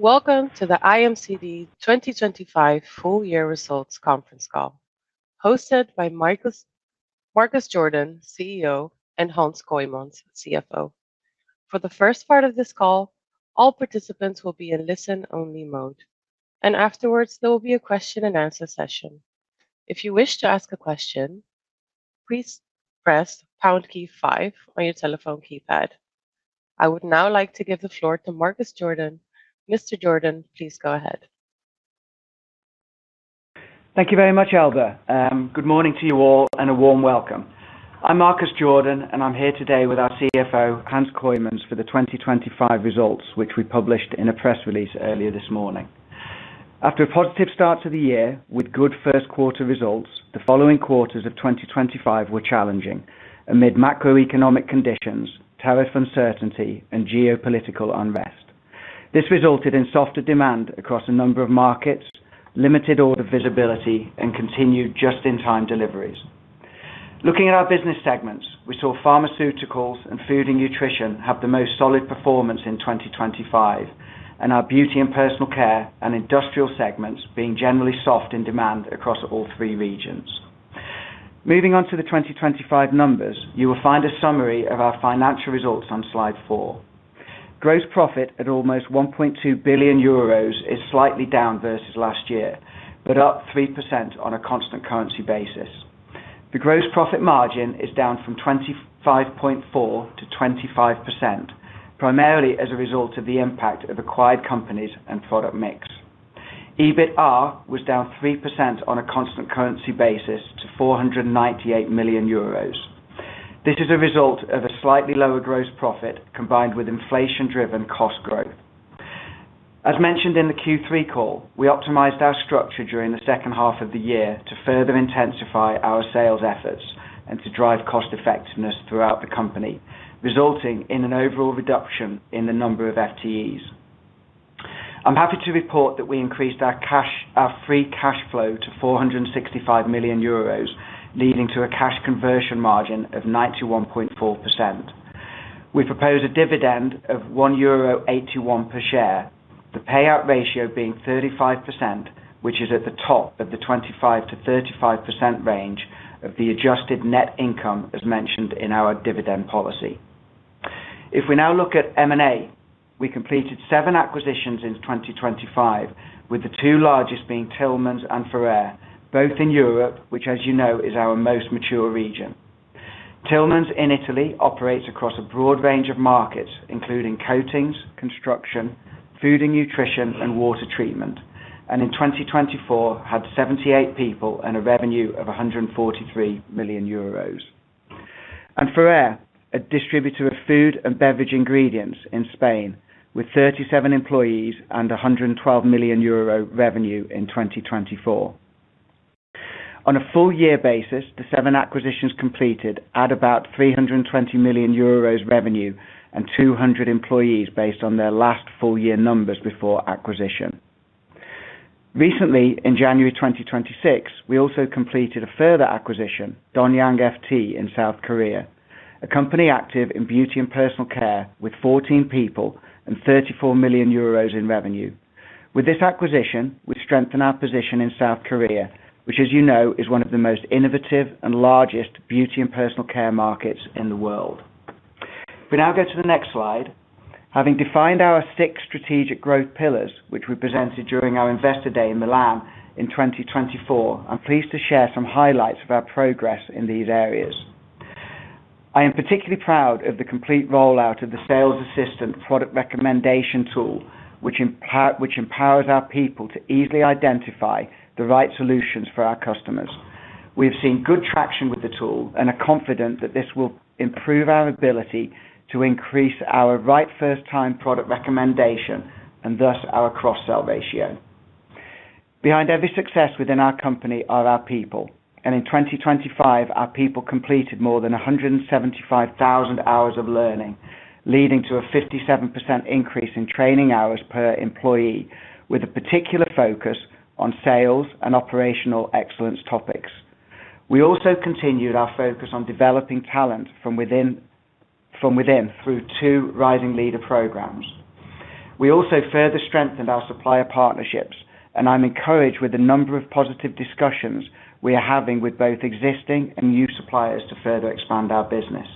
Welcome to the IMCD 2025 Full Year Results Conference Call, hosted by Marcus Jordan, CEO, and Hans Kooijmans, CFO. For the first part of this call, all participants will be in listen-only mode, and afterwards, there will be a question-and-answer session. If you wish to ask a question, please press pound key five on your telephone keypad. I would now like to give the floor to Marcus Jordan. Mr. Jordan, please go ahead. Thank you very much, Alba. Good morning to you all, and a warm welcome. I'm Marcus Jordan, and I'm here today with our CFO, Hans Kooijmans, for the 2025 results, which we published in a press release earlier this morning. After a positive start to the year with good first quarter results, the following quarters of 2025 were challenging amid macroeconomic conditions, tariff uncertainty, and geopolitical unrest. This resulted in softer demand across a number of markets, limited order visibility, and continued just-in-time deliveries. Looking at our business segments, we saw pharmaceuticals and food and nutrition have the most solid performance in 2025, and our beauty and personal care and industrial segments being generally soft in demand across all three regions. Moving on to the 2025 numbers, you will find a summary of our financial results on slide four. Gross profit at almost 1.2 billion euros is slightly down versus last year, but up 3% on a constant currency basis. The gross profit margin is down from 25.4%-25%, primarily as a result of the impact of acquired companies and product mix. EBITA was down 3% on a constant currency basis to 498 million euros. This is a result of a slightly lower gross profit, combined with inflation-driven cost growth. As mentioned in the Q3 call, we optimized our structure during the second half of the year to further intensify our sales efforts and to drive cost effectiveness throughout the company, resulting in an overall reduction in the number of FTEs. I'm happy to report that we increased our free cash flow to 465 million euros, leading to a cash conversion margin of 91.4%. We propose a dividend of 1.81 euro per share, the payout ratio being 35%, which is at the top of the 25%-35% range of the adjusted net income, as mentioned in our dividend policy. If we now look at M&A, we completed seven acquisitions in 2025, with the two largest being Tillmanns and Ferrer, both in Europe, which, as you know, is our most mature region. Tillmanns in Italy operates across a broad range of markets, including coatings, construction, food and nutrition, and water treatment, and in 2024, had 78 people and a revenue of 143 million euros. Ferrer, a distributor of food and beverage ingredients in Spain, with 37 employees and 112 million euro revenue in 2024. On a full year basis, the seven acquisitions completed add about 320 million euros revenue and 200 employees based on their last full year numbers before acquisition. Recently, in January 2026, we also completed a further acquisition, Dong Yang FT in South Korea, a company active in beauty and personal care with 14 people and 34 million euros in revenue. With this acquisition, we strengthen our position in South Korea, which, as you know, is one of the most innovative and largest beauty and personal care markets in the world. We now go to the next slide. Having defined our six strategic growth pillars, which we presented during our Investor Day in Milan in 2024, I'm pleased to share some highlights of our progress in these areas. I am particularly proud of the complete rollout of the Sales Assistant product recommendation tool, which empowers our people to easily identify the right solutions for our customers. We've seen good traction with the tool and are confident that this will improve our ability to increase our right first-time product recommendation and thus our cross-sell ratio. Behind every success within our company are our people, and in 2025, our people completed more than 175,000 hours of learning, leading to a 57% increase in training hours per employee, with a particular focus on sales and operational excellence topics. We also continued our focus on developing talent from within, from within through two rising leader programs. We also further strengthened our supplier partnerships, and I'm encouraged with the number of positive discussions we are having with both existing and new suppliers to further expand our business.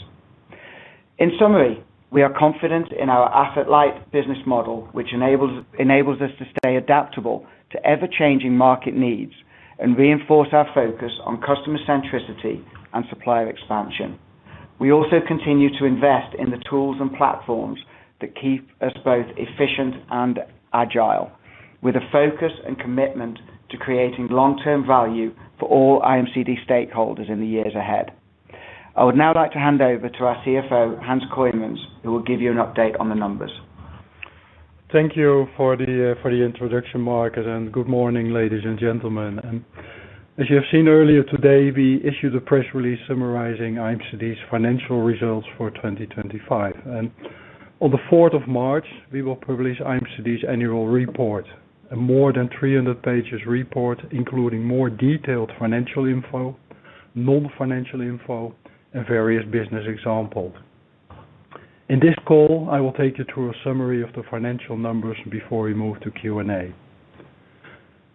In summary, we are confident in our asset-light business model, which enables, enables us to stay adaptable to ever-changing market needs and reinforce our focus on customer centricity and supplier expansion. We also continue to invest in the tools and platforms that keep us both efficient and agile, with a focus and commitment to creating long-term value for all IMCD stakeholders in the years ahead. I would now like to hand over to our CFO, Hans Kooijmans, who will give you an update on the numbers. Thank you for the introduction, Marcus, and good morning, ladies and gentlemen. As you have seen earlier today, we issued a press release summarizing IMCD's financial results for 2025. On the 4th of March, we will publish IMCD's annual report, a more than 300-page report, including more detailed financial info, non-financial info, and various business examples. ...In this call, I will take you through a summary of the financial numbers before we move to Q&A.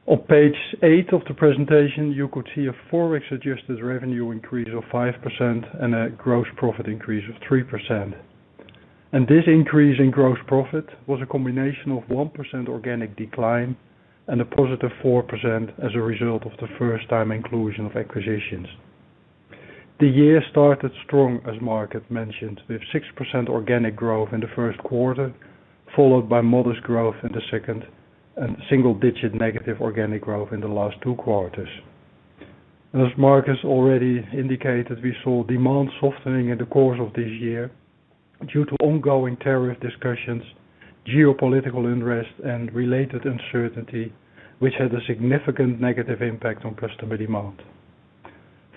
On page eight of the presentation, you could see a Forex adjusted revenue increase of 5% and a gross profit increase of 3%. This increase in gross profit was a combination of 1% organic decline and a positive 4% as a result of the first time inclusion of acquisitions. The year started strong, as Mark had mentioned, with 6% organic growth in the first quarter, followed by modest growth in the second, and single-digit negative organic growth in the last two quarters. As Mark has already indicated, we saw demand softening in the course of this year due to ongoing tariff discussions, geopolitical unrest, and related uncertainty, which had a significant negative impact on customer demand.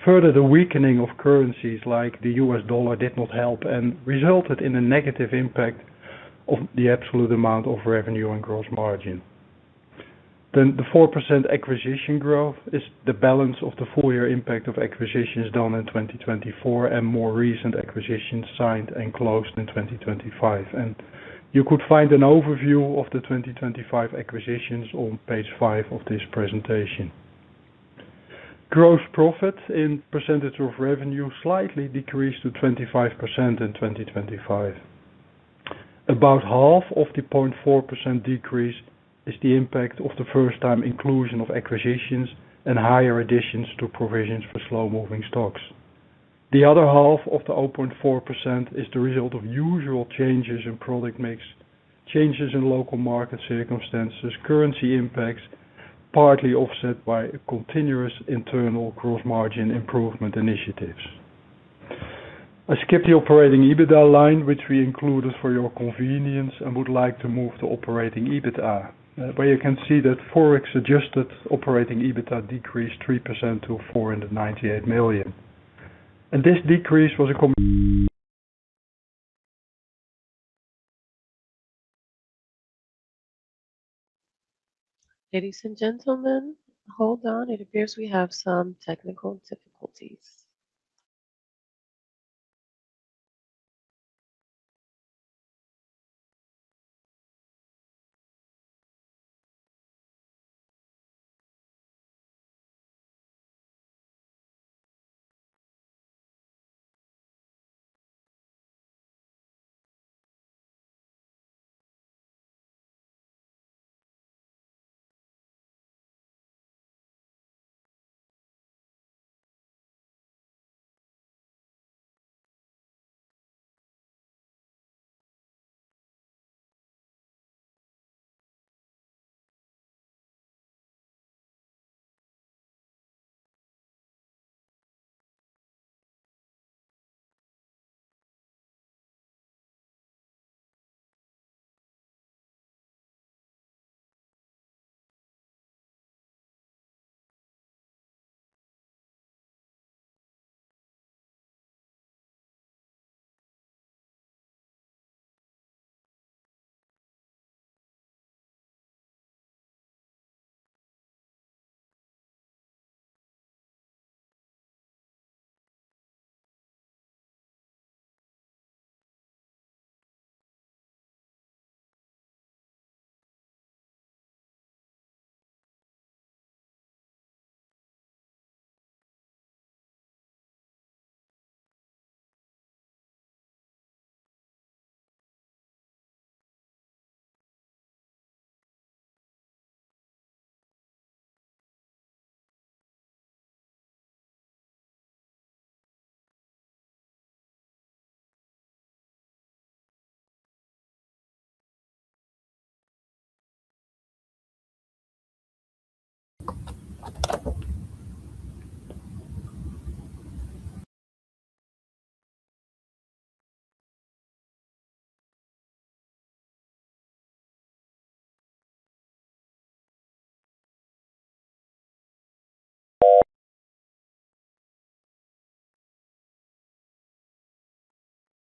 Further, the weakening of currencies like the U.S. dollar did not help and resulted in a negative impact of the absolute amount of revenue and gross margin. Then the 4% acquisition growth is the balance of the full year impact of acquisitions done in 2024 and more recent acquisitions signed and closed in 2025. And you could find an overview of the 2025 acquisitions on page five of this presentation. Gross profit in percentage of revenue slightly decreased to 25% in 2025. About half of the 0.4% decrease is the impact of the first time inclusion of acquisitions and higher additions to provisions for slow-moving stocks. The other half of the 0.4% is the result of usual changes in product mix, changes in local market circumstances, currency impacts, partly offset by a continuous internal gross margin improvement initiatives. I skipped the operating EBITA line, which we included for your convenience, and would like to move to operating EBITA, where you can see that Forex adjusted operating EBITA decreased 3% to 498 million. This decrease was a com- Ladies, and gentlemen, hold on. It appears we have some technical difficulties.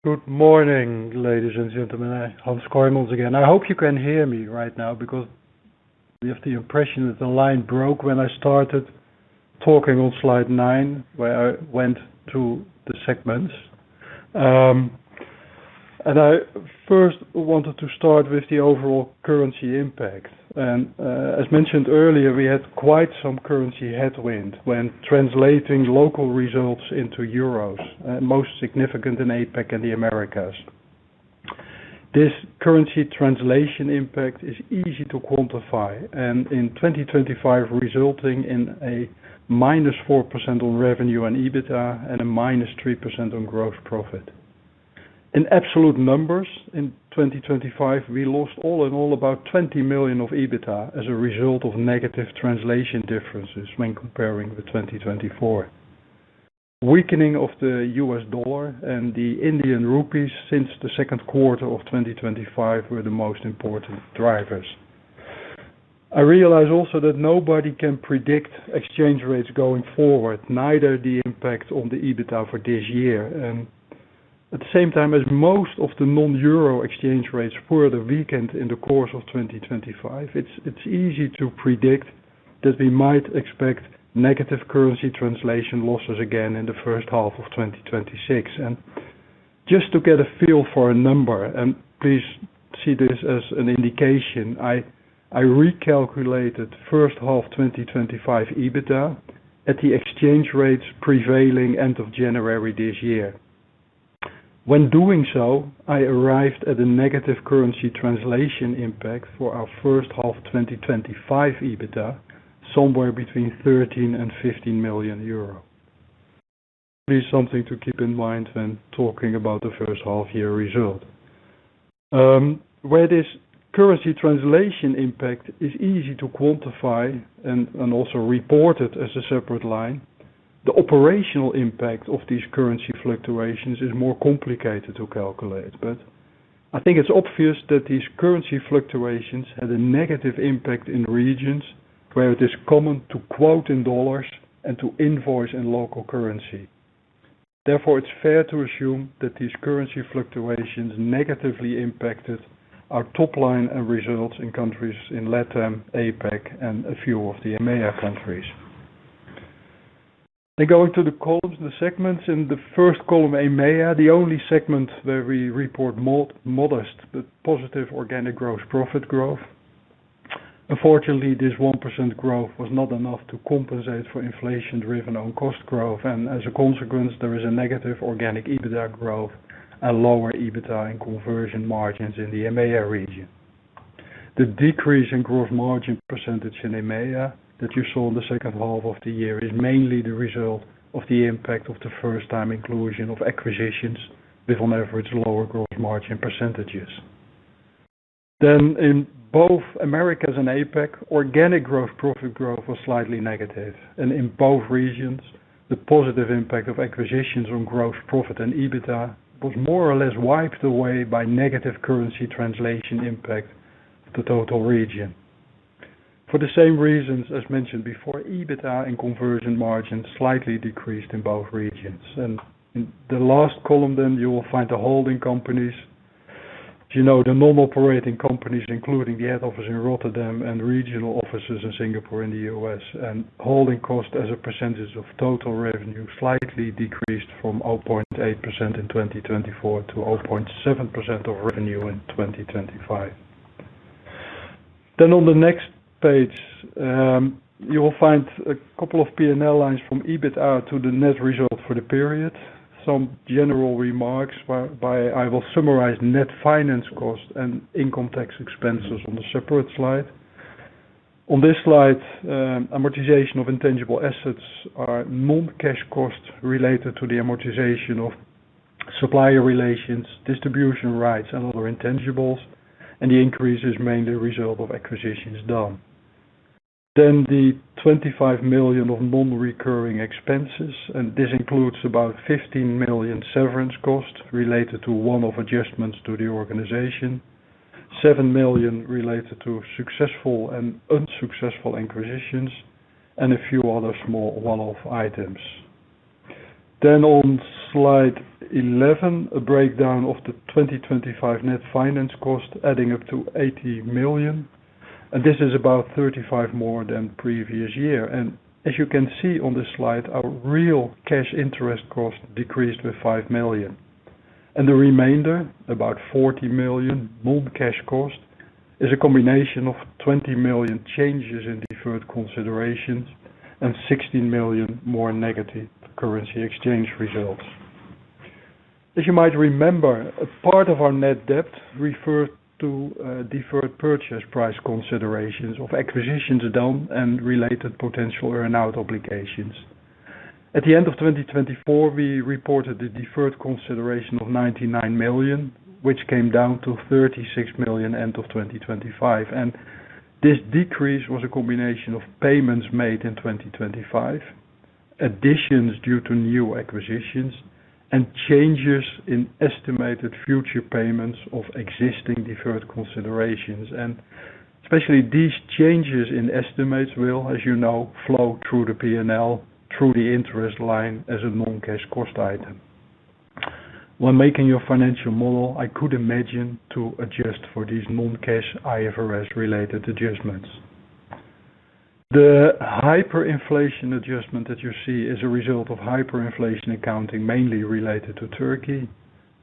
Good morning, ladies and gentlemen. Hans Kooijmans again. I hope you can hear me right now, because we have the impression that the line broke when I started talking on slide nine, where I went through the segments. And I first wanted to start with the overall currency impact. And, as mentioned earlier, we had quite some currency headwind when translating local results into EUR, most significant in APAC and the Americas. This currency translation impact is easy to quantify, and in 2025, resulting in a -4% on revenue and EBITDA, and a -3% on gross profit. In absolute numbers, in 2025, we lost all in all, about 20 million of EBITDA as a result of negative translation differences when comparing with 2024. Weakening of the U.S. dollar and the Indian rupees since the second quarter of 2025 were the most important drivers. I realize also that nobody can predict exchange rates going forward, neither the impact on the EBITDA for this year. At the same time, as most of the non-EUR exchange rates further weakened in the course of 2025, it's easy to predict that we might expect negative currency translation losses again in the first half of 2026. Just to get a feel for a number, and please see this as an indication, I recalculated first half 2025 EBITDA at the exchange rates prevailing end of January this year. When doing so, I arrived at a negative currency translation impact for our first half 2025 EBITDA, somewhere between 13 million and 15 million euro. Please, something to keep in mind when talking about the first half year result. Where this currency translation impact is easy to quantify and, and also report it as a separate line, the operational impact of these currency fluctuations is more complicated to calculate. But I think it's obvious that these currency fluctuations had a negative impact in regions where it is common to quote in U.S. dollars and to invoice in local currency. Therefore, it's fair to assume that these currency fluctuations negatively impacted our top line and results in countries in LATAM, APAC, and a few of the EMEA countries. Then going to the columns, the segments. In the first column, EMEA, the only segment where we report modest, but positive organic gross profit growth. Unfortunately, this 1% growth was not enough to compensate for inflation-driven on cost growth, and as a consequence, there is a negative organic EBITDA growth and lower EBITDA and conversion margins in the EMEA region. The decrease in gross margin percentage in EMEA, that you saw in the second half of the year, is mainly the result of the impact of the first time inclusion of acquisitions with, on average, lower gross margin percentages. Then in both Americas and APAC, organic gross profit growth was slightly negative, and in both regions, the positive impact of acquisitions on growth, profit and EBITDA was more or less wiped away by negative currency translation impact of the total region. For the same reasons, as mentioned before, EBITDA and conversion margins slightly decreased in both regions. And in the last column, then you will find the holding companies. As you know, the normal operating companies, including the head office in Rotterdam and regional offices in Singapore and the U.S., and holding cost as a percentage of total revenue, slightly decreased from 0.8% in 2024 to 0.7% of revenue in 2025. On the next page, you will find a couple of P&L lines from EBITA to the net result for the period. Some general remarks by, by I will summarize net finance costs and income tax expenses on a separate slide. On this slide, amortization of intangible assets are non-cash costs related to the amortization of supplier relations, distribution rights and other intangibles, and the increase is mainly a result of acquisitions done. The 25 million of non-recurring expenses, and this includes about 15 million severance costs related to one-off adjustments to the organization, 7 million related to successful and unsuccessful acquisitions, and a few other small one-off items. On slide 11, a breakdown of the 2025 net finance cost, adding up to 80 million, and this is about 35 million more than previous year. As you can see on this slide, our real cash interest cost decreased by 5 million. The remainder, about 40 million non-cash cost, is a combination of 20 million changes in deferred considerations and 16 million more negative currency exchange results. As you might remember, a part of our net debt referred to deferred purchase price considerations of acquisitions done and related potential earn-out obligations. At the end of 2024, we reported a deferred consideration of 99 million, which came down to 36 million, end of 2025. And this decrease was a combination of payments made in 2025, additions due to new acquisitions, and changes in estimated future payments of existing deferred considerations. And especially these changes in estimates will, as you know, flow through the P&L, through the interest line as a non-cash cost item. When making your financial model, I could imagine to adjust for these non-cash IFRS-related adjustments. The hyperinflation adjustment that you see is a result of hyperinflation accounting, mainly related to Turkey,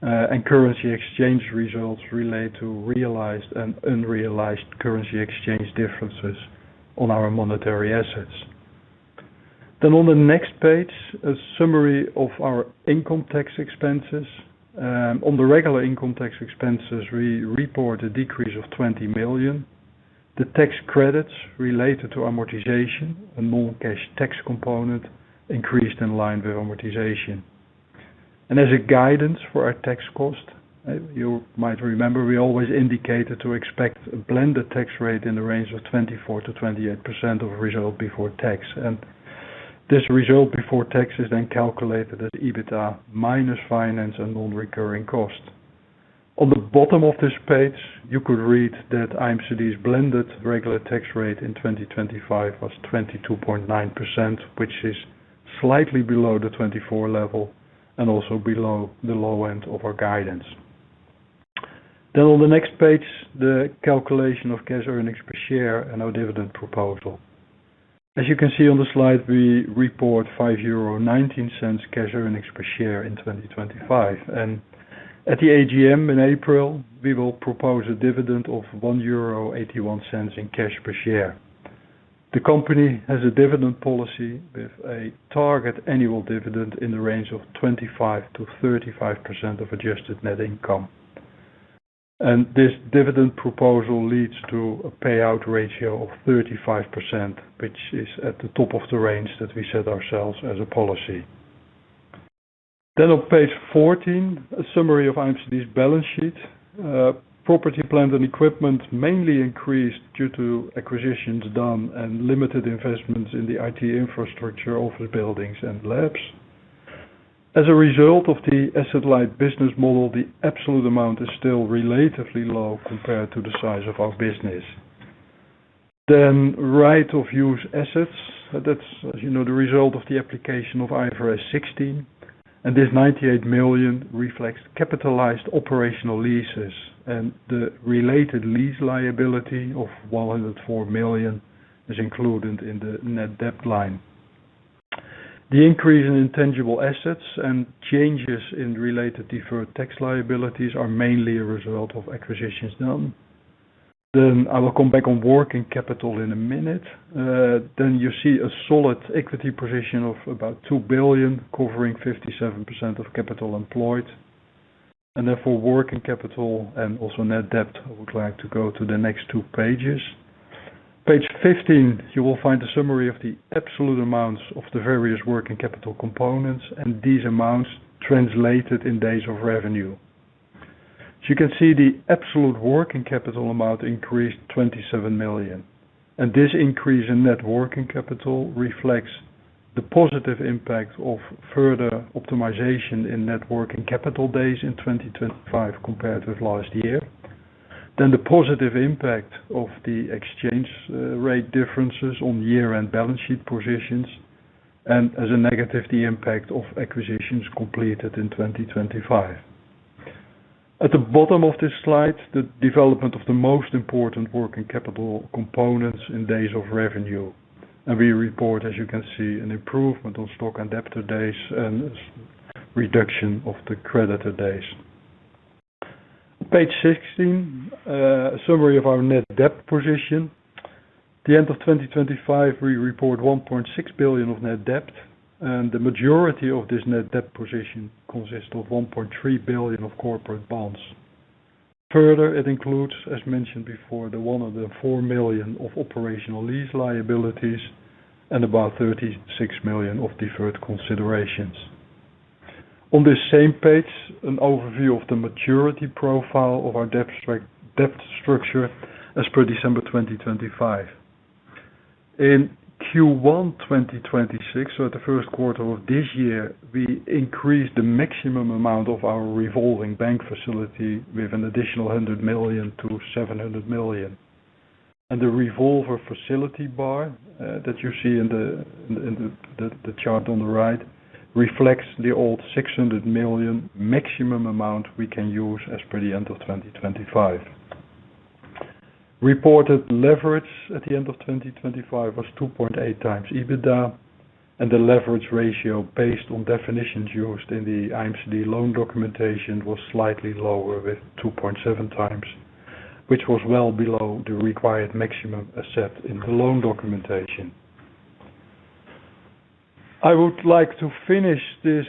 and currency exchange results relate to realized and unrealized currency exchange differences on our monetary assets. Then on the next page, a summary of our income tax expenses. On the regular income tax expenses, we report a decrease of 20 million. The tax credits related to amortization and non-cash tax component increased in line with amortization. As a guidance for our tax cost, you might remember, we always indicated to expect a blended tax rate in the range of 24%-28% of result before tax. This result before tax is then calculated as EBITDA minus finance and non-recurring costs. On the bottom of this page, you could read that IMCD's blended regular tax rate in 2025 was 22.9%, which is slightly below the 24% level and also below the low end of our guidance. Then on the next page, the calculation of cash earnings per share and our dividend proposal. As you can see on the slide, we report 5.19 euro cash earnings per share in 2025, and at the AGM in April, we will propose a dividend of 1.81 euro in cash per share. The company has a dividend policy with a target annual dividend in the range of 25%-35% of adjusted net income. And this dividend proposal leads to a payout ratio of 35%, which is at the top of the range that we set ourselves as a policy. Then on page 14, a summary of IMCD's balance sheet. Property, plant, and equipment mainly increased due to acquisitions done and limited investments in the IT infrastructure, office buildings, and labs. As a result of the asset-light business model, the absolute amount is still relatively low compared to the size of our business. Then right-of-use assets, that's, as you know, the result of the application of IFRS 16, and this 98 million reflects capitalized operational leases and the related lease liability of 104 million is included in the net debt line. The increase in intangible assets and changes in related deferred tax liabilities are mainly a result of acquisitions done. Then I will come back on working capital in a minute. Then you see a solid equity position of about 2 billion, covering 57% of capital employed, and therefore, working capital and also net debt. I would like to go to the next two pages. Page 15, you will find a summary of the absolute amounts of the various working capital components and these amounts translated in days of revenue. As you can see, the absolute working capital amount increased 27 million, and this increase in net working capital reflects the positive impact of further optimization in net working capital days in 2025 compared with last year. Then the positive impact of the exchange rate differences on year-end balance sheet positions and as a negative, the impact of acquisitions completed in 2025. At the bottom of this slide, the development of the most important working capital components in days of revenue, and we report, as you can see, an improvement on stock and debtor days and reduction of the creditor days. Page 16, summary of our net debt position. The end of 2025, we report 1.6 billion of net debt, and the majority of this net debt position consists of 1.3 billion of corporate bonds. Further, it includes, as mentioned before, the one-off 4 million of operational lease liabilities and about 36 million of deferred considerations. On this same page, an overview of the maturity profile of our debt structure as per December 2025. In Q1 2026, so at the first quarter of this year, we increased the maximum amount of our revolving bank facility with an additional 100 million to 700 million. And the revolver facility bar that you see in the chart on the right reflects the old 600 million maximum amount we can use as per the end of 2025. Reported leverage at the end of 2025 was 2.8x EBITDA, and the leverage ratio, based on definitions used in the IMCD loan documentation, was slightly lower, with 2.7x, which was well below the required maximum asset in the loan documentation. I would like to finish this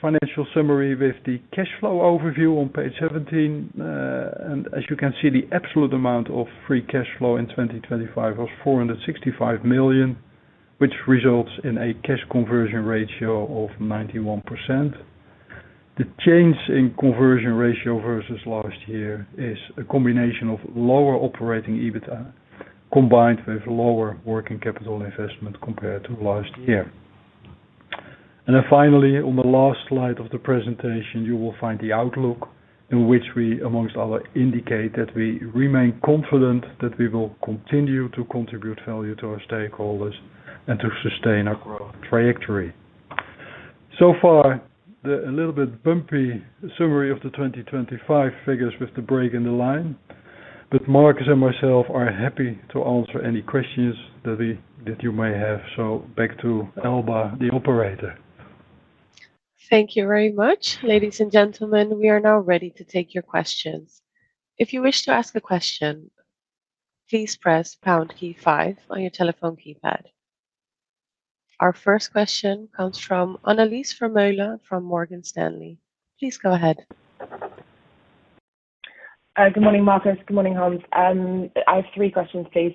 financial summary with the cash flow overview on page 17. And as you can see, the absolute amount of free cash flow in 2025 was 465 million, which results in a cash conversion ratio of 91%. The change in conversion ratio versus last year is a combination of lower operating EBITDA, combined with lower working capital investment compared to last year. And then finally, on the last slide of the presentation, you will find the outlook, in which we, among others, indicate that we remain confident that we will continue to contribute value to our stakeholders and to sustain our growth trajectory. So, that's a little bit bumpy summary of the 2025 figures with the break in the line, but Marcus and myself are happy to answer any questions that we, that you may have. So back to Alba, the operator. Thank you very much. Ladies, and gentlemen, we are now ready to take your questions. If you wish to ask a question, please press pound key five on your telephone keypad. Our first question comes from Annelies Vermeulen from Morgan Stanley. Please go ahead. Good morning, Marcus. Good morning, Hans. I have three questions, please.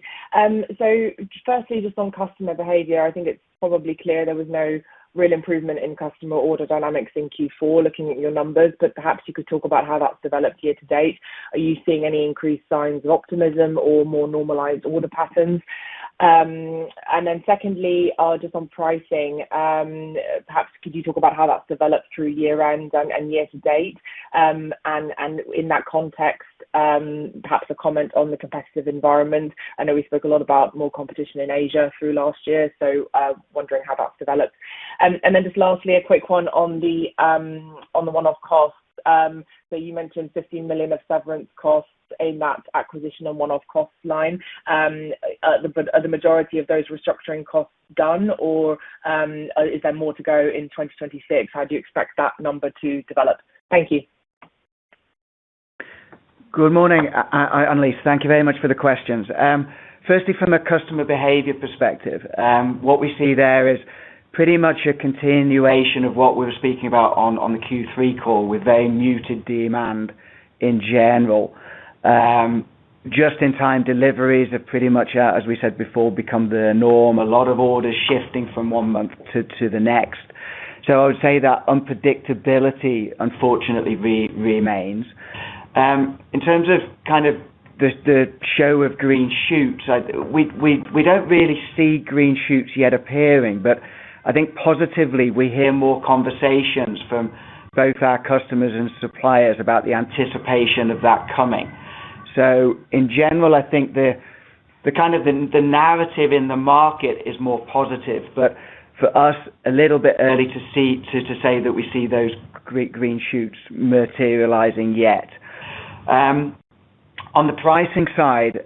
First, just on customer behavior, I think it's probably clear there was no real improvement in customer order dynamics in Q4, looking at your numbers, but perhaps you could talk about how that's developed year-to-date. Are you seeing any increased signs of optimism or more normalized order patterns? And then second, just on pricing, perhaps could you talk about how that's developed through year-end and year-to-date? And in that context, perhaps a comment on the competitive environment. I know we spoke a lot about more competition in Asia through last year, so wondering how that's developed. And then just lastly, a quick one on the one-off costs. So you mentioned 15 million of severance costs in that acquisition and one-off costs line. Are the majority of those restructuring costs done or is there more to go in 2026? How do you expect that number to develop? Thank you. Good morning, Annelies. Thank you very much for the questions. Firstly, from a customer behavior perspective, what we see there is pretty much a continuation of what we were speaking about on the Q3 call, with very muted demand in general. Just-in-time deliveries are pretty much, as we said before, become the norm. A lot of orders shifting from one month to the next. So I would say that unpredictability unfortunately remains. In terms of kind of the show of green shoots, we don't really see green shoots yet appearing, but I think positively, we hear more conversations from both our customers and suppliers about the anticipation of that coming. In general, I think the kind of narrative in the market is more positive, but for us, a little bit early to say that we see those green shoots materializing yet. On the pricing side,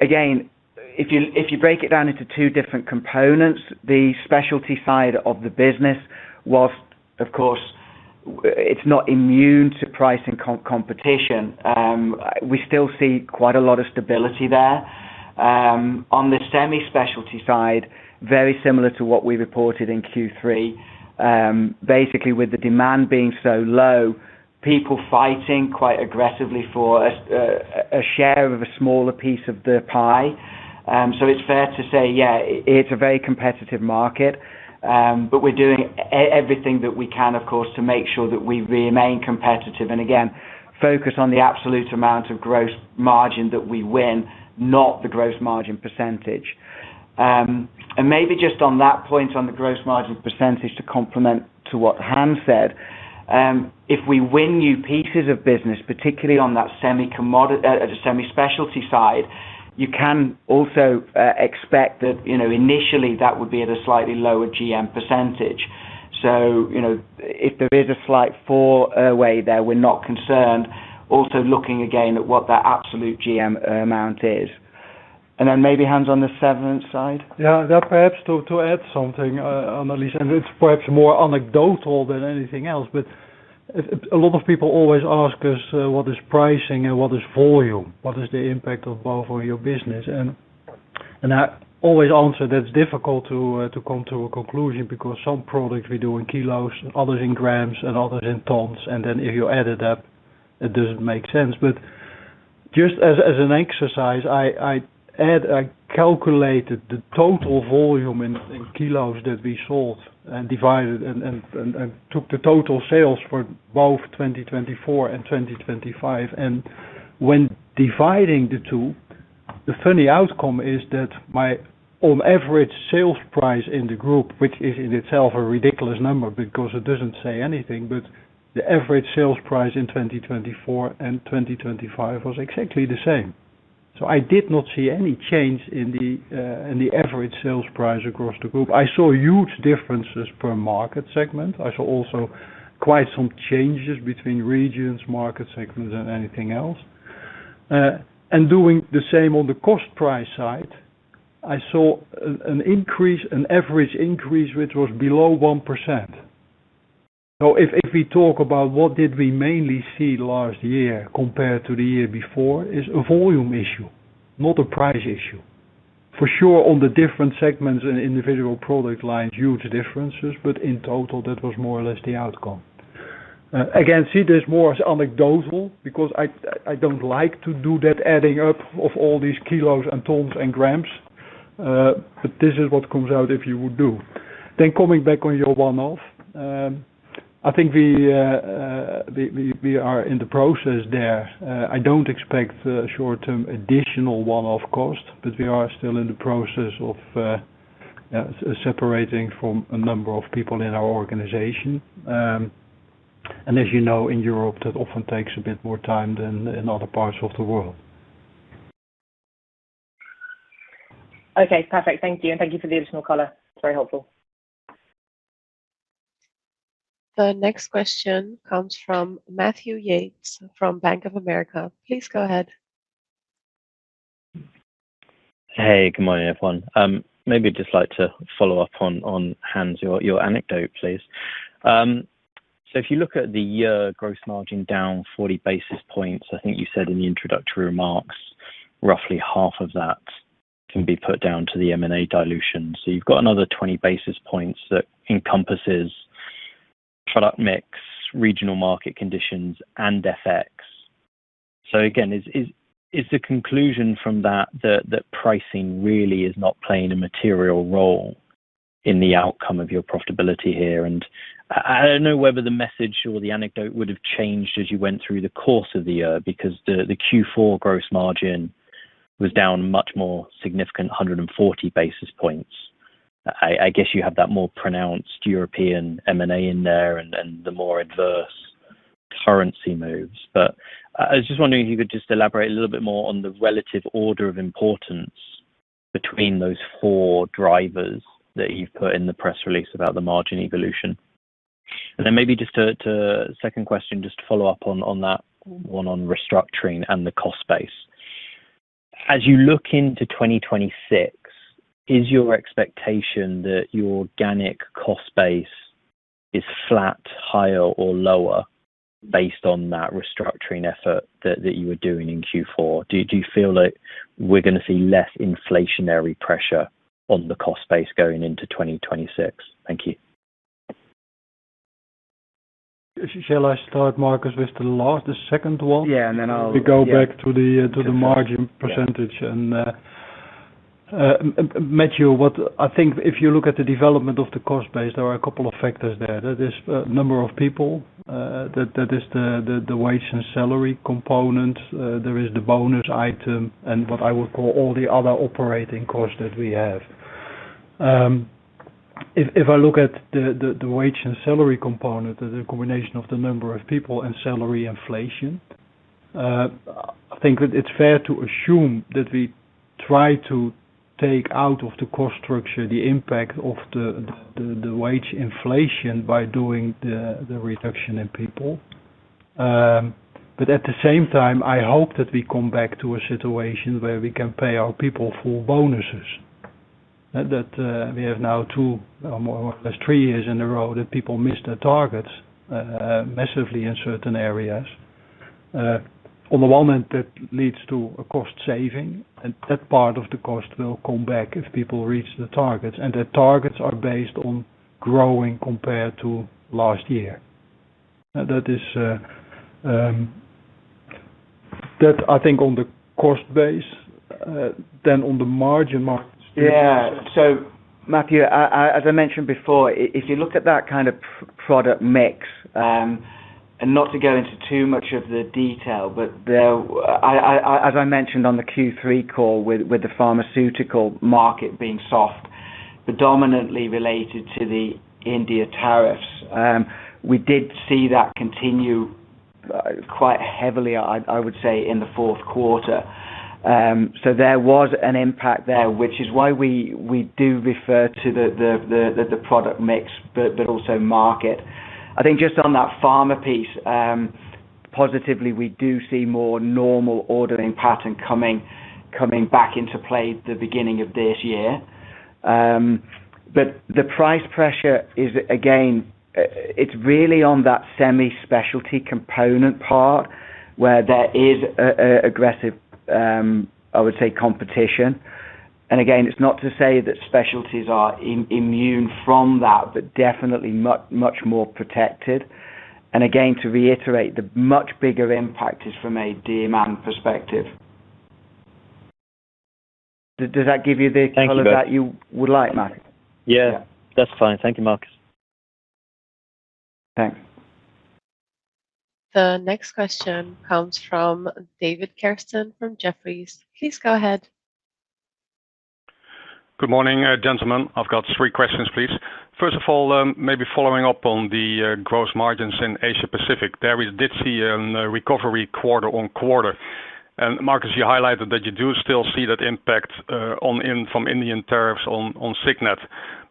again, if you break it down into two different components, the specialty side of the business, whilst of course, it's not immune to pricing competition, we still see quite a lot of stability there. On the semi-specialty side, very similar to what we reported in Q3. Basically, with the demand being so low, people fighting quite aggressively for a share of a smaller piece of the pie. So it's fair to say, yeah, it, it's a very competitive market, but we're doing everything that we can, of course, to make sure that we remain competitive, and again, focus on the absolute amount of gross margin that we win, not the gross margin percentage. And maybe just on that point, on the gross margin percentage, to complement to what Hans said, if we win new pieces of business, particularly on that semi commodity, the semi-specialty side, you can also expect that, you know, initially, that would be at a slightly lower GM percentage. So, you know, if there is a slight four away there, we're not concerned, also looking again at what that absolute GM amount is. And then maybe Hans, on the severance side? Yeah, yeah, perhaps to, to add something, Annelies, and it's perhaps more anecdotal than anything else, but a lot of people always ask us, what is pricing and what is volume? What is the impact of both on your business? And I always answer, that's difficult to come to a conclusion, because some products we do in kilos, others in grams, and others in tons, and then if you add it up, it doesn't make sense. But just as an exercise, I calculated the total volume in kilos that we sold and divided and took the total sales for both 2024 and 2025. When dividing the two, the funny outcome is that my on average sales price in the group, which is in itself a ridiculous number because it doesn't say anything, but the average sales price in 2024 and 2025 was exactly the same. So I did not see any change in the average sales price across the group. I saw huge differences per market segment. I saw also quite some changes between regions, market segments, and anything else. And doing the same on the cost price side, I saw an increase, an average increase, which was below 1%. So if we talk about what did we mainly see last year compared to the year before, is a volume issue, not a price issue. For sure, on the different segments and individual product lines, huge differences, but in total, that was more or less the outcome. Again, see this more as anecdotal, because I don't like to do that adding up of all these kilos and tons and grams, but this is what comes out if you would do. Then coming back on your one-off, I think we are in the process there. I don't expect the short-term additional one-off cost, but we are still in the process of separating from a number of people in our organization. And as you know, in Europe, that often takes a bit more time than in other parts of the world. Okay, perfect. Thank you, and thank you for the additional color. It's very helpful. The next question comes from Matthew Yates, from Bank of America. Please go ahead. Hey, good morning, everyone. Maybe I'd just like to follow up on Hans, your anecdote, please. So if you look at the year gross margin down 40 basis points, I think you said in the introductory remarks, roughly half of that can be put down to the M&A dilution. So you've got another 20 basis points that encompasses product mix, regional market conditions, and FX. So again, is the conclusion from that, that pricing really is not playing a material role in the outcome of your profitability here? And I don't know whether the message or the anecdote would have changed as you went through the course of the year, because the Q4 gross margin was down much more significant, 140 basis points. I guess you have that more pronounced European M&A in there and the more adverse currency moves. But I was just wondering if you could just elaborate a little bit more on the relative order of importance between those four drivers that you've put in the press release about the margin evolution. And then maybe just to second question, just to follow up on that one on restructuring and the cost base. As you look into 2026, is your expectation that your organic cost base is flat, higher, or lower based on that restructuring effort that you were doing in Q4? Do you feel like we're gonna see less inflationary pressure on the cost base going into 2026? Thank you. Shall I start, Marcus, with the last, the second one? Yeah, and then I'll- We go back to the margin percentage. And, Matthew, I think if you look at the development of the cost base, there are a couple of factors there. There's a number of people that is the wage and salary component, there is the bonus item and what I would call all the other operating costs that we have. If I look at the wage and salary component, the combination of the number of people and salary inflation, I think it's fair to assume that we try to take out of the cost structure the impact of the wage inflation by doing the reduction in people. But at the same time, I hope that we come back to a situation where we can pay our people full bonuses. That we have now two, or more or less three years in a row, that people missed their targets massively in certain areas. At the moment, that leads to a cost saving, and that part of the cost will come back if people reach the targets, and the targets are based on growing compared to last year. Now, that is. That, I think, on the cost base, then on the margin market- Yeah. Matthew, I, as I mentioned before, if you look at that kind of product mix, and not to go into too much of the detail, there, I, as I mentioned on the Q3 call with the pharmaceutical market being soft, predominantly related to the India tariffs, we did see that continue quite heavily, I would say, in the fourth quarter. There was an impact there, which is why we do refer to the product mix, but also market. I think just on that pharma piece, positively, we do see more normal ordering pattern coming back into play the beginning of this year. The price pressure is, again, it's really on that semi-specialty component part where there is a, aggressive, I would say, competition. And again, it's not to say that specialties are immune from that, but definitely much, much more protected. And again, to reiterate, the much bigger impact is from a demand perspective. Does that give you the color- Thank you. that you would like, Matt? Yeah, that's fine. Thank you, Marcus. Thanks. The next question comes from David Kerstens from Jefferies. Please go ahead. Good morning, gentlemen. I've got three questions, please. First of all, maybe following up on the gross margins in Asia-Pacific, there we did see a recovery quarter-on-quarter. And Marcus, you highlighted that you do still see that impact from Indian tariffs on Signet.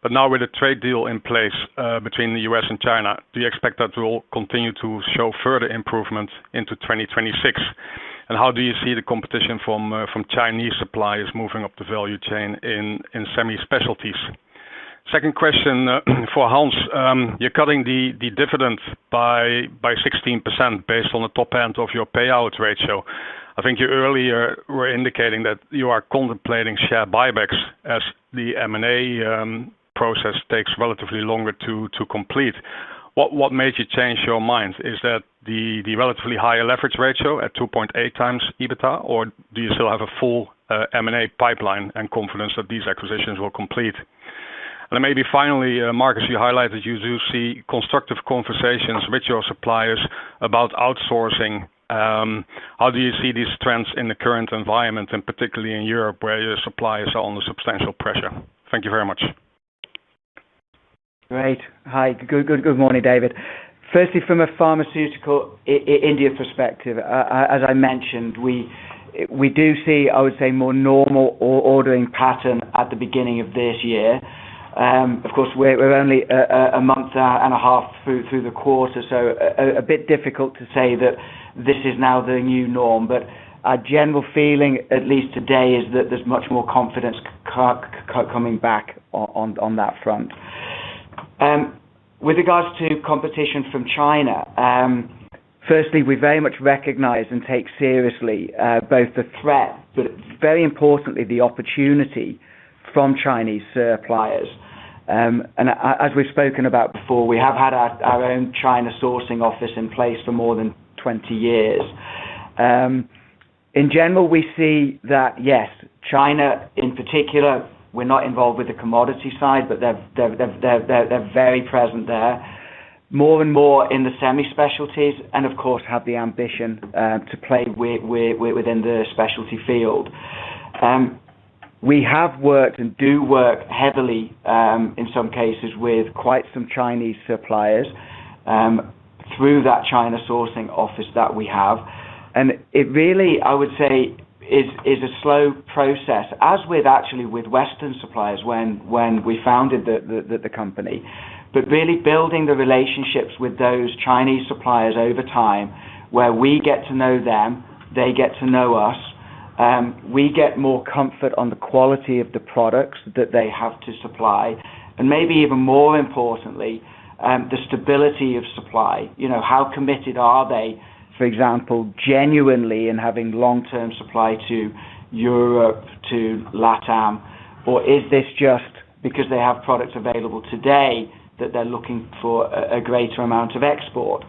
But now with the trade deal in place between the U.S. and China, do you expect that to continue to show further improvement into 2026? And how do you see the competition from Chinese suppliers moving up the value chain in semi specialties? Second question for Hans. You're cutting the dividend by 16%, based on the top end of your payout ratio. I think you earlier were indicating that you are contemplating share buybacks as the M&A process takes relatively longer to complete. What, what made you change your mind? Is that the, the relatively higher leverage ratio at 2.8x EBITDA, or do you still have a full, M&A pipeline and confidence that these acquisitions will complete? And maybe finally, Marcus, you highlighted you do see constructive conversations with your suppliers about outsourcing. How do you see these trends in the current environment, and particularly in Europe, where your suppliers are under substantial pressure? Thank you very much. Great. Hi. Good morning, David. Firstly, from a pharmaceutical India perspective, as I mentioned, we do see, I would say, more normal ordering pattern at the beginning of this year. Of course, we're only a month and a half through the quarter, so a bit difficult to say that this is now the new norm, but our general feeling, at least today, is that there's much more confidence coming back on that front. With regards to competition from China, firstly, we very much recognize and take seriously both the threat, but very importantly, the opportunity from Chinese suppliers. As we've spoken about before, we have had our own China sourcing office in place for more than 20 years. In general, we see that, yes, China in particular, we're not involved with the commodity side, but they're very present there. More and more in the semi specialties, and of course, have the ambition to play within the specialty field. We have worked and do work heavily, in some cases, with quite some Chinese suppliers, through that China sourcing office that we have. And it really, I would say, is a slow process, as with actually with Western suppliers, when we founded the company. But really building the relationships with those Chinese suppliers over time, where we get to know them, they get to know us. We get more comfort on the quality of the products that they have to supply, and maybe even more importantly, the stability of supply. You know, how committed are they, for example, genuinely in having long-term supply to Europe, to LATAM, or is this just because they have products available today that they're looking for a greater amount of export?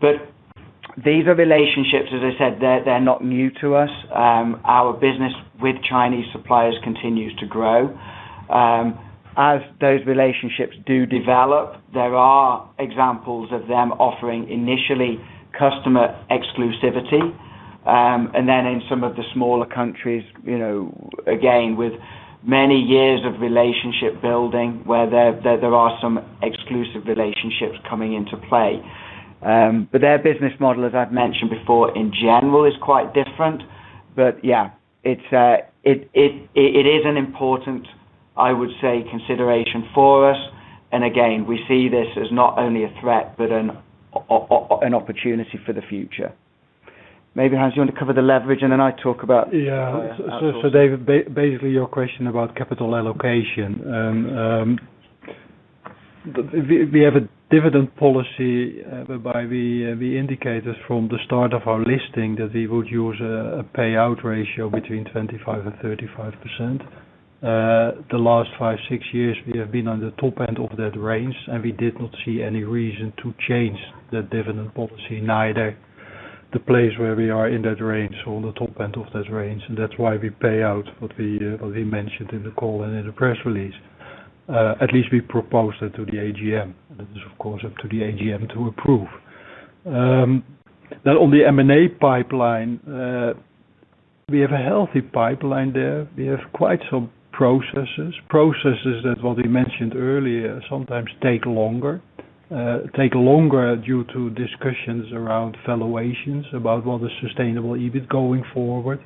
But these are relationships, as I said, they're not new to us. Our business with Chinese suppliers continues to grow. As those relationships do develop, there are examples of them offering initially customer exclusivity, and then in some of the smaller countries, you know, again, with many years of relationship building, where there are some exclusive relationships coming into play. But their business model, as I've mentioned before, in general, is quite different. But yeah, it's an important, I would say, consideration for us, and again, we see this as not only a threat, but an opportunity for the future. Maybe, Hans, you want to cover the leverage, and then I talk about- Yeah. So David, basically, your question about capital allocation. We have a dividend policy, whereby we indicated from the start of our listing that we would use a payout ratio between 25%-35%. The last five, six years, we have been on the top end of that range, and we did not see any reason to change the dividend policy, neither the place where we are in that range or on the top end of that range, and that's why we pay out what we mentioned in the call and in the press release. At least we proposed it to the AGM. It is, of course, up to the AGM to approve. Then on the M&A pipeline, we have a healthy pipeline there. We have quite some processes that what we mentioned earlier, sometimes take longer, take longer due to discussions around valuations, about what is sustainable EBIT going forward.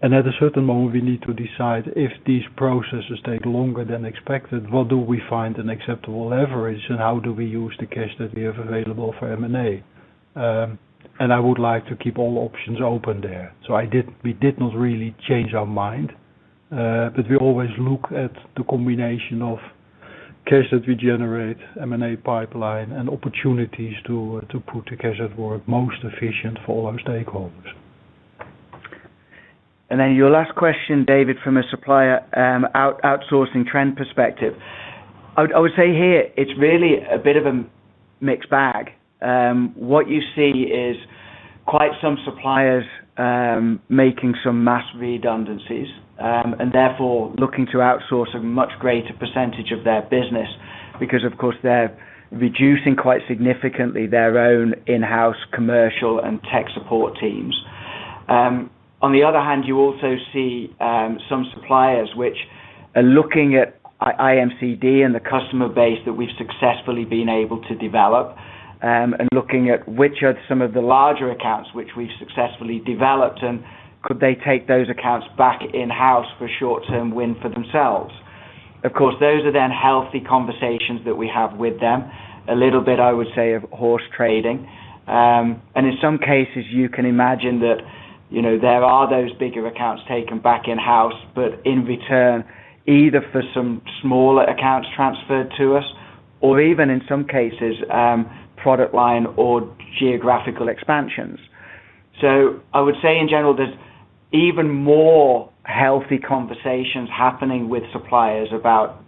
And at a certain moment, we need to decide if these processes take longer than expected, what do we find an acceptable leverage, and how do we use the cash that we have available for M&A? And I would like to keep all options open there. So we did not really change our mind, but we always look at the combination of cash that we generate, M&A pipeline, and opportunities to to put the cash at work most efficient for our stakeholders. Your last question, David, from a supplier outsourcing trend perspective. I would say here, it's really a bit of a mixed bag. What you see is quite some suppliers making some mass redundancies, and therefore, looking to outsource a much greater percentage of their business, because, of course, they're reducing quite significantly their own in-house commercial and tech support teams. On the other hand, you also see some suppliers which are looking at IMCD and the customer base that we've successfully been able to develop, and looking at which are some of the larger accounts which we've successfully developed, and could they take those accounts back in-house for short-term win for themselves? Of course, those are then healthy conversations that we have with them. A little bit, I would say, of horse trading. In some cases, you can imagine that, you know, there are those bigger accounts taken back in-house, but in return, either for some smaller accounts transferred to us or even in some cases, product line or geographical expansions. So I would say in general, there's even more healthy conversations happening with suppliers about,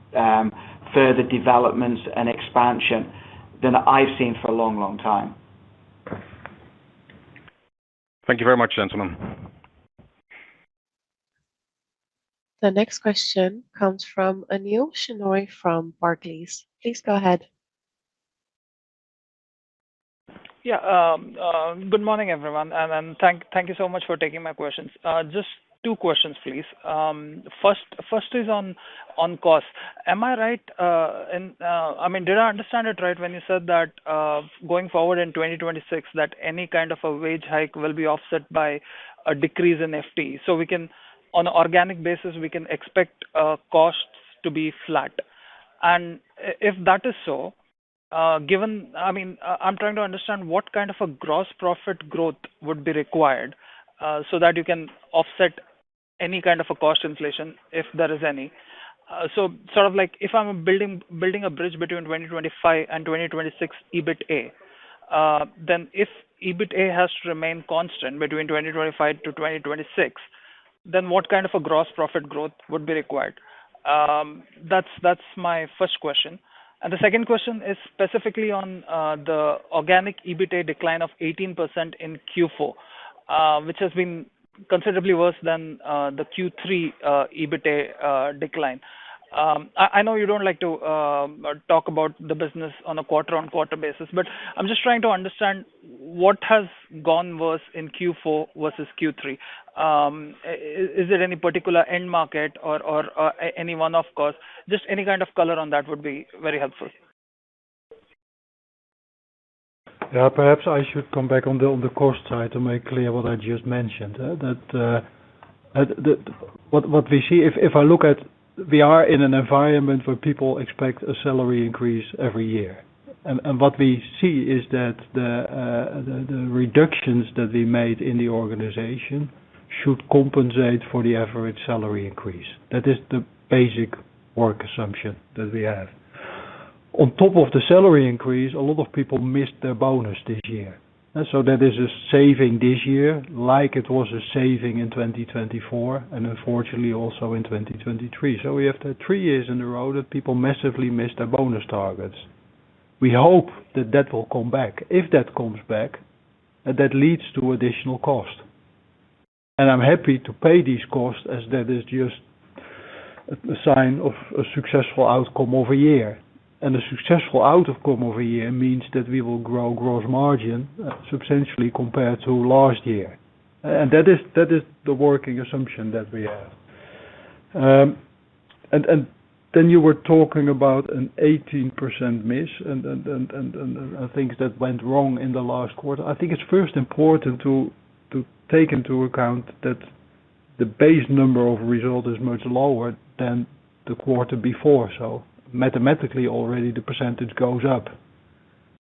further developments and expansion than I've seen for a long, long time. Thank you very much, gentlemen. The next question comes from Anil Shenoy from Barclays. Please go ahead. Yeah, good morning, everyone, and thank you so much for taking my questions. Just two questions, please. First is on cost. Am I right, and I mean, did I understand it right when you said that going forward in 2026, that any kind of a wage hike will be offset by a decrease in FP? So we can, on an organic basis, we can expect costs to be flat. And if that is so, given—I mean, I'm trying to understand what kind of a gross profit growth would be required so that you can offset any kind of a cost inflation, if there is any. If I'm building, building a bridge between 2025 and 2026 EBITA, if EBITA has to remain constant between 2025-2026, then what kind of a gross profit growth would be required? That's my first question. The second question is specifically on the organic EBITA decline of 18% in Q4, which has been considerably worse than the Q3 EBITA decline. I know you don't like to talk about the business on a quarter-over-quarter basis, but I'm just trying to understand what has gone worse in Q4 versus Q3. Is there any particular end market or any one, of course, just any kind of color on that would be very helpful. Yeah, perhaps I should come back on the cost side to make clear what I just mentioned, that what we see, if I look at, we are in an environment where people expect a salary increase every year. And what we see is that the reductions that we made in the organization should compensate for the average salary increase. That is the basic work assumption that we have. On top of the salary increase, a lot of people missed their bonus this year. And so that is a saving this year, like it was a saving in 2024, and unfortunately, also in 2023. So we have had three years in a row that people massively missed their bonus targets. We hope that that will come back. If that comes back, that leads to additional cost. I'm happy to pay these costs as that is just a sign of a successful outcome of a year. A successful outcome of a year means that we will grow gross margin substantially compared to last year. That is the working assumption that we have. You were talking about an 18% miss, and things that went wrong in the last quarter. I think it's first important to take into account that the base number of result is much lower than the quarter before. Mathematically, already the percentage goes up.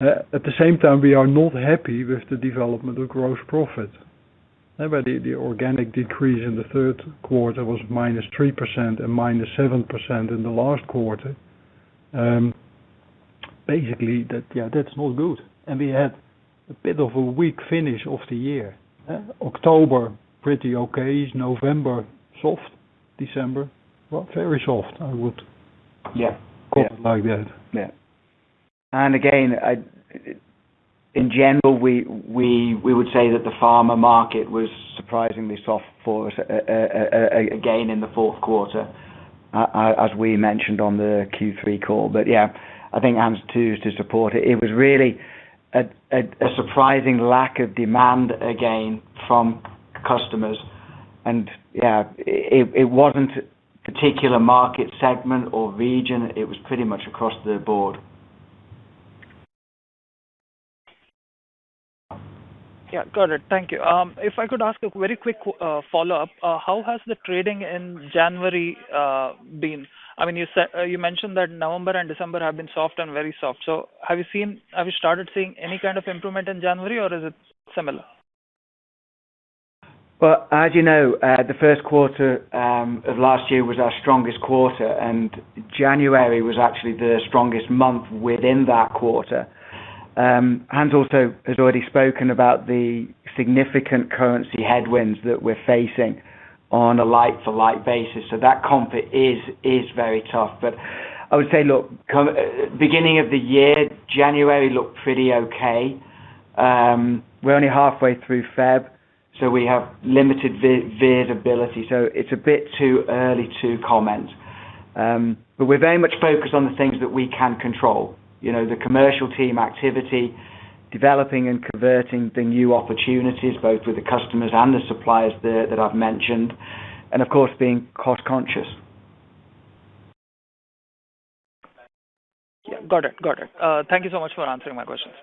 At the same time, we are not happy with the development of gross profit. The organic decrease in the third quarter was -3% and -7% in the last quarter. Basically, that's not good. We had a bit of a weak finish of the year, eh? October, pretty okay. November, soft. December, well, very soft, I would- Yeah. call it like that. Yeah. And again, in general, we would say that the pharma market was surprisingly soft for us, again, in the fourth quarter, as we mentioned on the Q3 call. But yeah, I think Hans too is to support it. It was really a surprising lack of demand, again, from customers. And yeah, it wasn't particular market segment or region, it was pretty much across the board. Yeah, got it. Thank you. If I could ask a very quick follow-up. How has the trading in January been? I mean, you said... You mentioned that November and December have been soft and very soft. So have you seen, have you started seeing any kind of improvement in January, or is it similar? Well, as you know, the first quarter of last year was our strongest quarter, and January was actually the strongest month within that quarter. Hans also has already spoken about the significant currency headwinds that we're facing on a like-to-like basis, so that comp is very tough. But I would say, look, come beginning of the year, January looked pretty okay. We're only halfway through February, so we have limited visibility, so it's a bit too early to comment. But we're very much focused on the things that we can control, you know, the commercial team activity, developing and converting the new opportunities, both with the customers and the suppliers there, that I've mentioned, and of course, being cost conscious. Yeah. Got it. Got it. Thank you so much for answering my questions.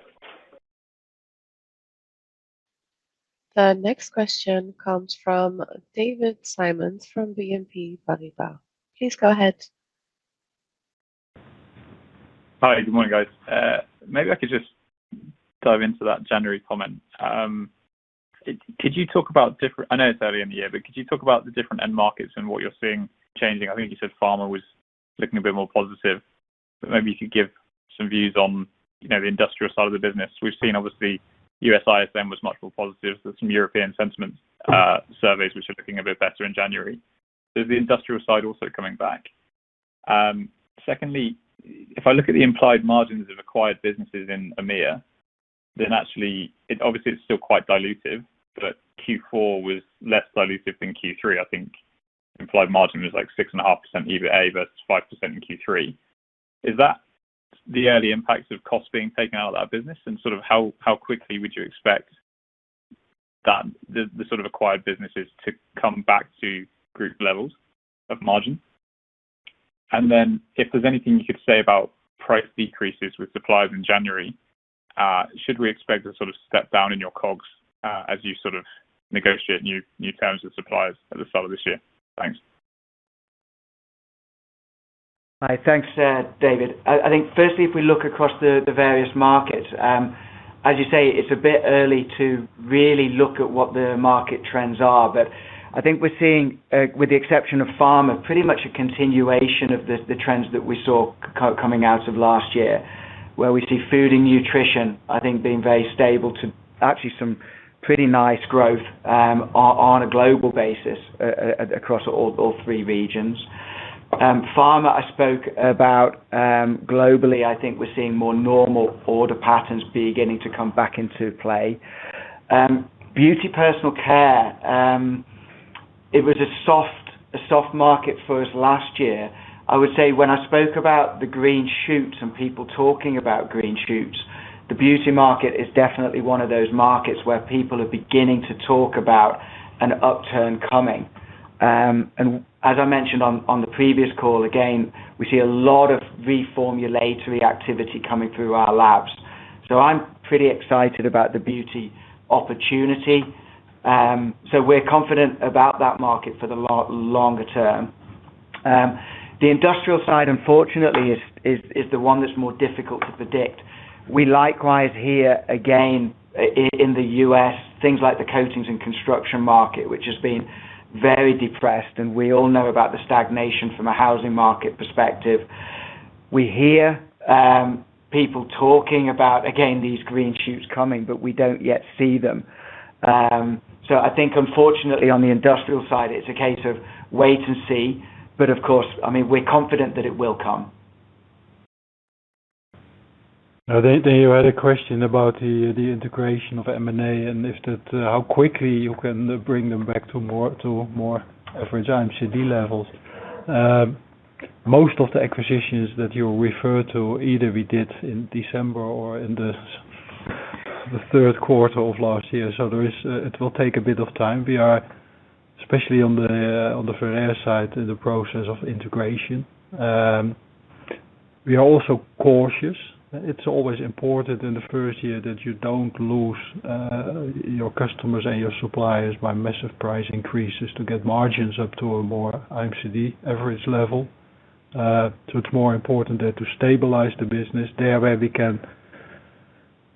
The next question comes from David Symonds from BNP Paribas. Please go ahead. Hi, good morning, guys. Maybe I could just dive into that January comment. Could you talk about different—I know it's early in the year, but could you talk about the different end markets and what you're seeing changing? I think you said pharma was looking a bit more positive, but maybe you could give some views on, you know, the industrial side of the business. We've seen, obviously, U.S. ISM was much more positive than some European sentiment surveys, which are looking a bit better in January. Is the industrial side also coming back? Secondly, if I look at the implied margins of acquired businesses in EMEA, then actually, it obviously is still quite dilutive, but Q4 was less dilutive than Q3. I think implied margin was, like, 6.5% EBITA, versus 5% in Q3. Is that the early impacts of costs being taken out of that business? And sort of how, how quickly would you expect that the, the sort of acquired businesses to come back to group levels of margin? And then, if there's anything you could say about price decreases with suppliers in January, should we expect a sort of step down in your costs, as you sort of negotiate new, new terms with suppliers at the start of this year? Thanks. Hi. Thanks, David. I think firstly, if we look across the various markets, as you say, it's a bit early to really look at what the market trends are. But I think we're seeing, with the exception of pharma, pretty much a continuation of the trends that we saw coming out of last year, where we see food and nutrition, I think, being very stable to actually some pretty nice growth, on a global basis across all three regions. Pharma, I spoke about, globally, I think we're seeing more normal order patterns beginning to come back into play. Beauty, personal care, it was a soft market for us last year. I would say when I spoke about the green shoots and people talking about green shoots, the beauty market is definitely one of those markets where people are beginning to talk about an upturn coming. And as I mentioned on the previous call, again, we see a lot of reformulatory activity coming through our labs. So I'm pretty excited about the beauty opportunity. So we're confident about that market for the longer term. The industrial side, unfortunately, is the one that's more difficult to predict. We likewise hear, again, in the U.S., things like the coatings and construction market, which has been very depressed, and we all know about the stagnation from a housing market perspective. We hear people talking about, again, these green shoots coming, but we don't yet see them. I think unfortunately, on the industrial side, it's a case of wait and see, but of course, I mean, we're confident that it will come. Now, you had a question about the integration of M&A, and if that, how quickly you can bring them back to more average IMCD levels. Most of the acquisitions that you refer to, either we did in December or in the third quarter of last year, so there is, it will take a bit of time. We are, especially on the Ferrer side, in the process of integration. We are also cautious. It's always important in the first year that you don't lose your customers and your suppliers by massive price increases to get margins up to a more IMCD average level. It's more important there to stabilize the business. There, where we can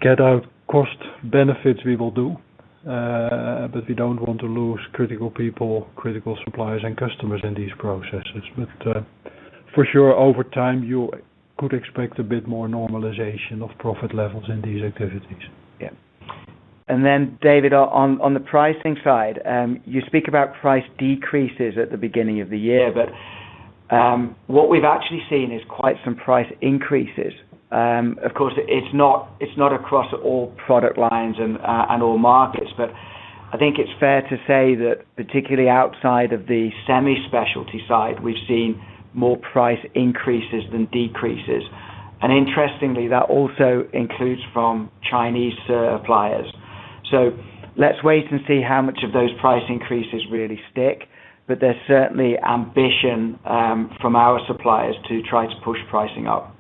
get our cost benefits, we will do, but we don't want to lose critical people, critical suppliers, and customers in these processes. But, for sure, over time, you could expect a bit more normalization of profit levels in these activities. Yeah. And then, David, on the pricing side, you speak about price decreases at the beginning of the year, but what we've actually seen is quite some price increases. Of course, it's not across all product lines and all markets, but I think it's fair to say that particularly outside of the semi-specialty side, we've seen more price increases than decreases. And interestingly, that also includes from Chinese suppliers. So let's wait and see how much of those price increases really stick, but there's certainly ambition from our suppliers to try to push pricing up.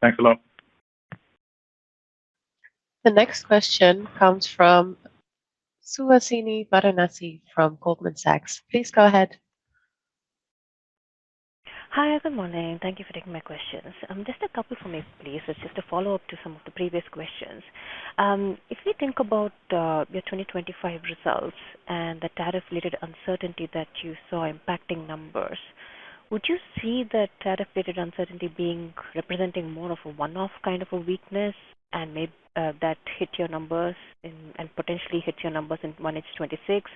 Thanks a lot. The next question comes from Suhasini Varanasi from Goldman Sachs. Please go ahead. Hi, good morning. Thank you for taking my questions. Just a couple for me, please. It's just a follow-up to some of the previous questions. If we think about your 2025 results and the tariff-related uncertainty that you saw impacting numbers, would you see that tariff-related uncertainty being representing more of a one-off kind of a weakness and maybe that hit your numbers and potentially hit your numbers in 1H 2026?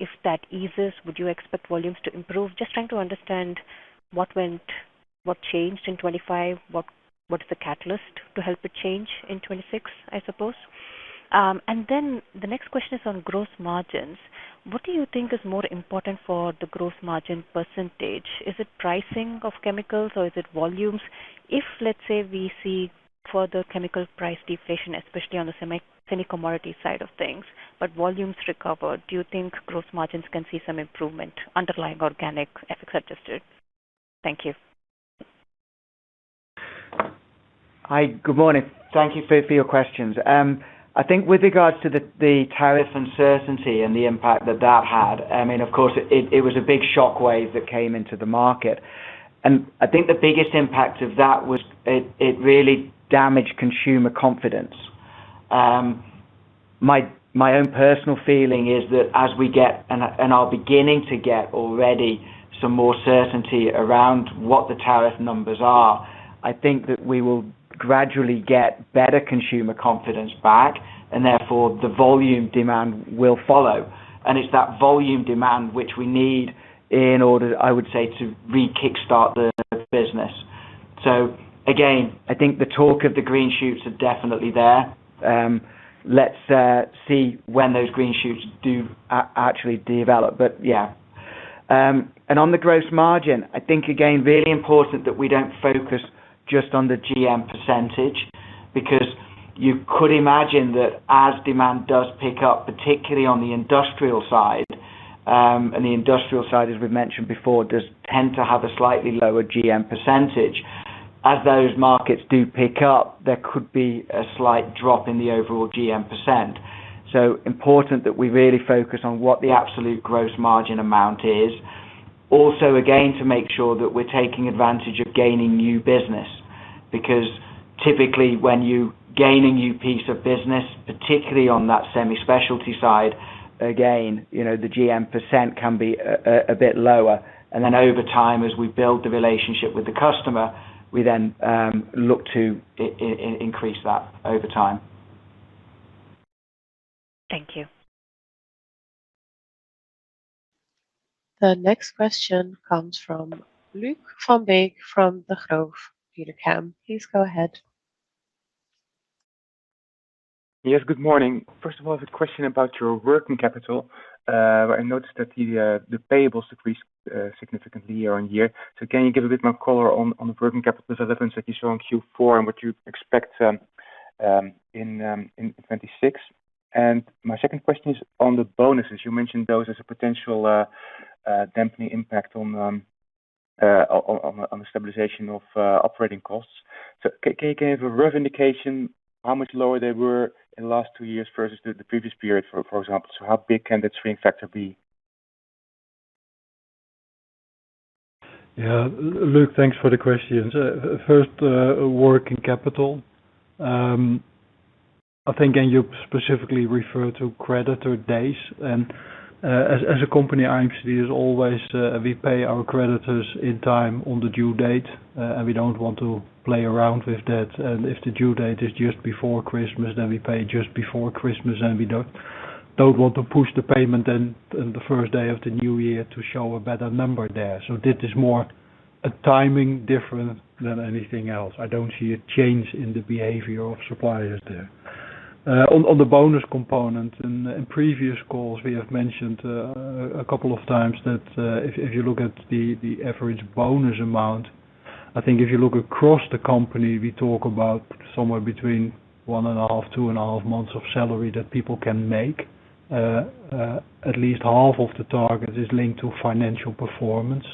If that eases, would you expect volumes to improve? Just trying to understand what went what changed in 2025, what is the catalyst to help it change in 2026, I suppose. And then the next question is on gross margins. What do you think is more important for the gross margin percentage? Is it pricing of chemicals or is it volumes? If, let's say, we see further chemical price deflation, especially on the semi, semi-commodity side of things, but volumes recover, do you think gross margins can see some improvement underlying organic FX adjusted? Thank you. Hi, good morning. Thank you for your questions. I think with regards to the tariff uncertainty and the impact that that had, I mean, of course, it was a big shock wave that came into the market. And I think the biggest impact of that was it really damaged consumer confidence. My own personal feeling is that as we get, and are beginning to get already, some more certainty around what the tariff numbers are, I think that we will gradually get better consumer confidence back, and therefore, the volume demand will follow. And it's that volume demand which we need in order, I would say, to re-kickstart the business. So again, I think the talk of the green shoots are definitely there. Let's see when those green shoots do actually develop. But yeah. And on the gross margin, I think, again, really important that we don't focus just on the GM percentage, because you could imagine that as demand does pick up, particularly on the industrial side, and the industrial side, as we've mentioned before, does tend to have a slightly lower GM percentage. As those markets do pick up, there could be a slight drop in the overall GM percent. So important that we really focus on what the absolute gross margin amount is. Also, again, to make sure that we're taking advantage of gaining new business, because typically when you gain a new piece of business, particularly on that semi-specialty side, again, you know, the GM percent can be a bit lower. And then over time, as we build the relationship with the customer, we then look to increase that over time. Thank you. The next question comes from Luuk van Beek from Bank Degroof Petercam. Please go ahead. Yes, good morning. First of all, I have a question about your working capital. I noticed that the payables decreased significantly year-on-year. So can you give a bit more color on the working capital developments that you saw in Q4 and what you expect?... in 2026. My second question is on the bonuses. You mentioned those as a potential dampening impact on the stabilization of operating costs. So can you give a rough indication how much lower they were in the last two years versus the previous period, for example? So how big can that swing factor be? Yeah, Luuk, thanks for the question. First, working capital. I think, and you specifically refer to creditor days, and, as a company, IMCD is always, we pay our creditors in time on the due date, and we don't want to play around with that. And if the due date is just before Christmas, then we pay just before Christmas, and we don't, don't want to push the payment then on the first day of the new year to show a better number there. So this is more a timing difference than anything else. I don't see a change in the behavior of suppliers there. On the bonus component, and in previous calls, we have mentioned a couple of times that if you look at the average bonus amount, I think if you look across the company, we talk about somewhere between one and a half, two and a half months of salary that people can make. At least half of the target is linked to financial performance,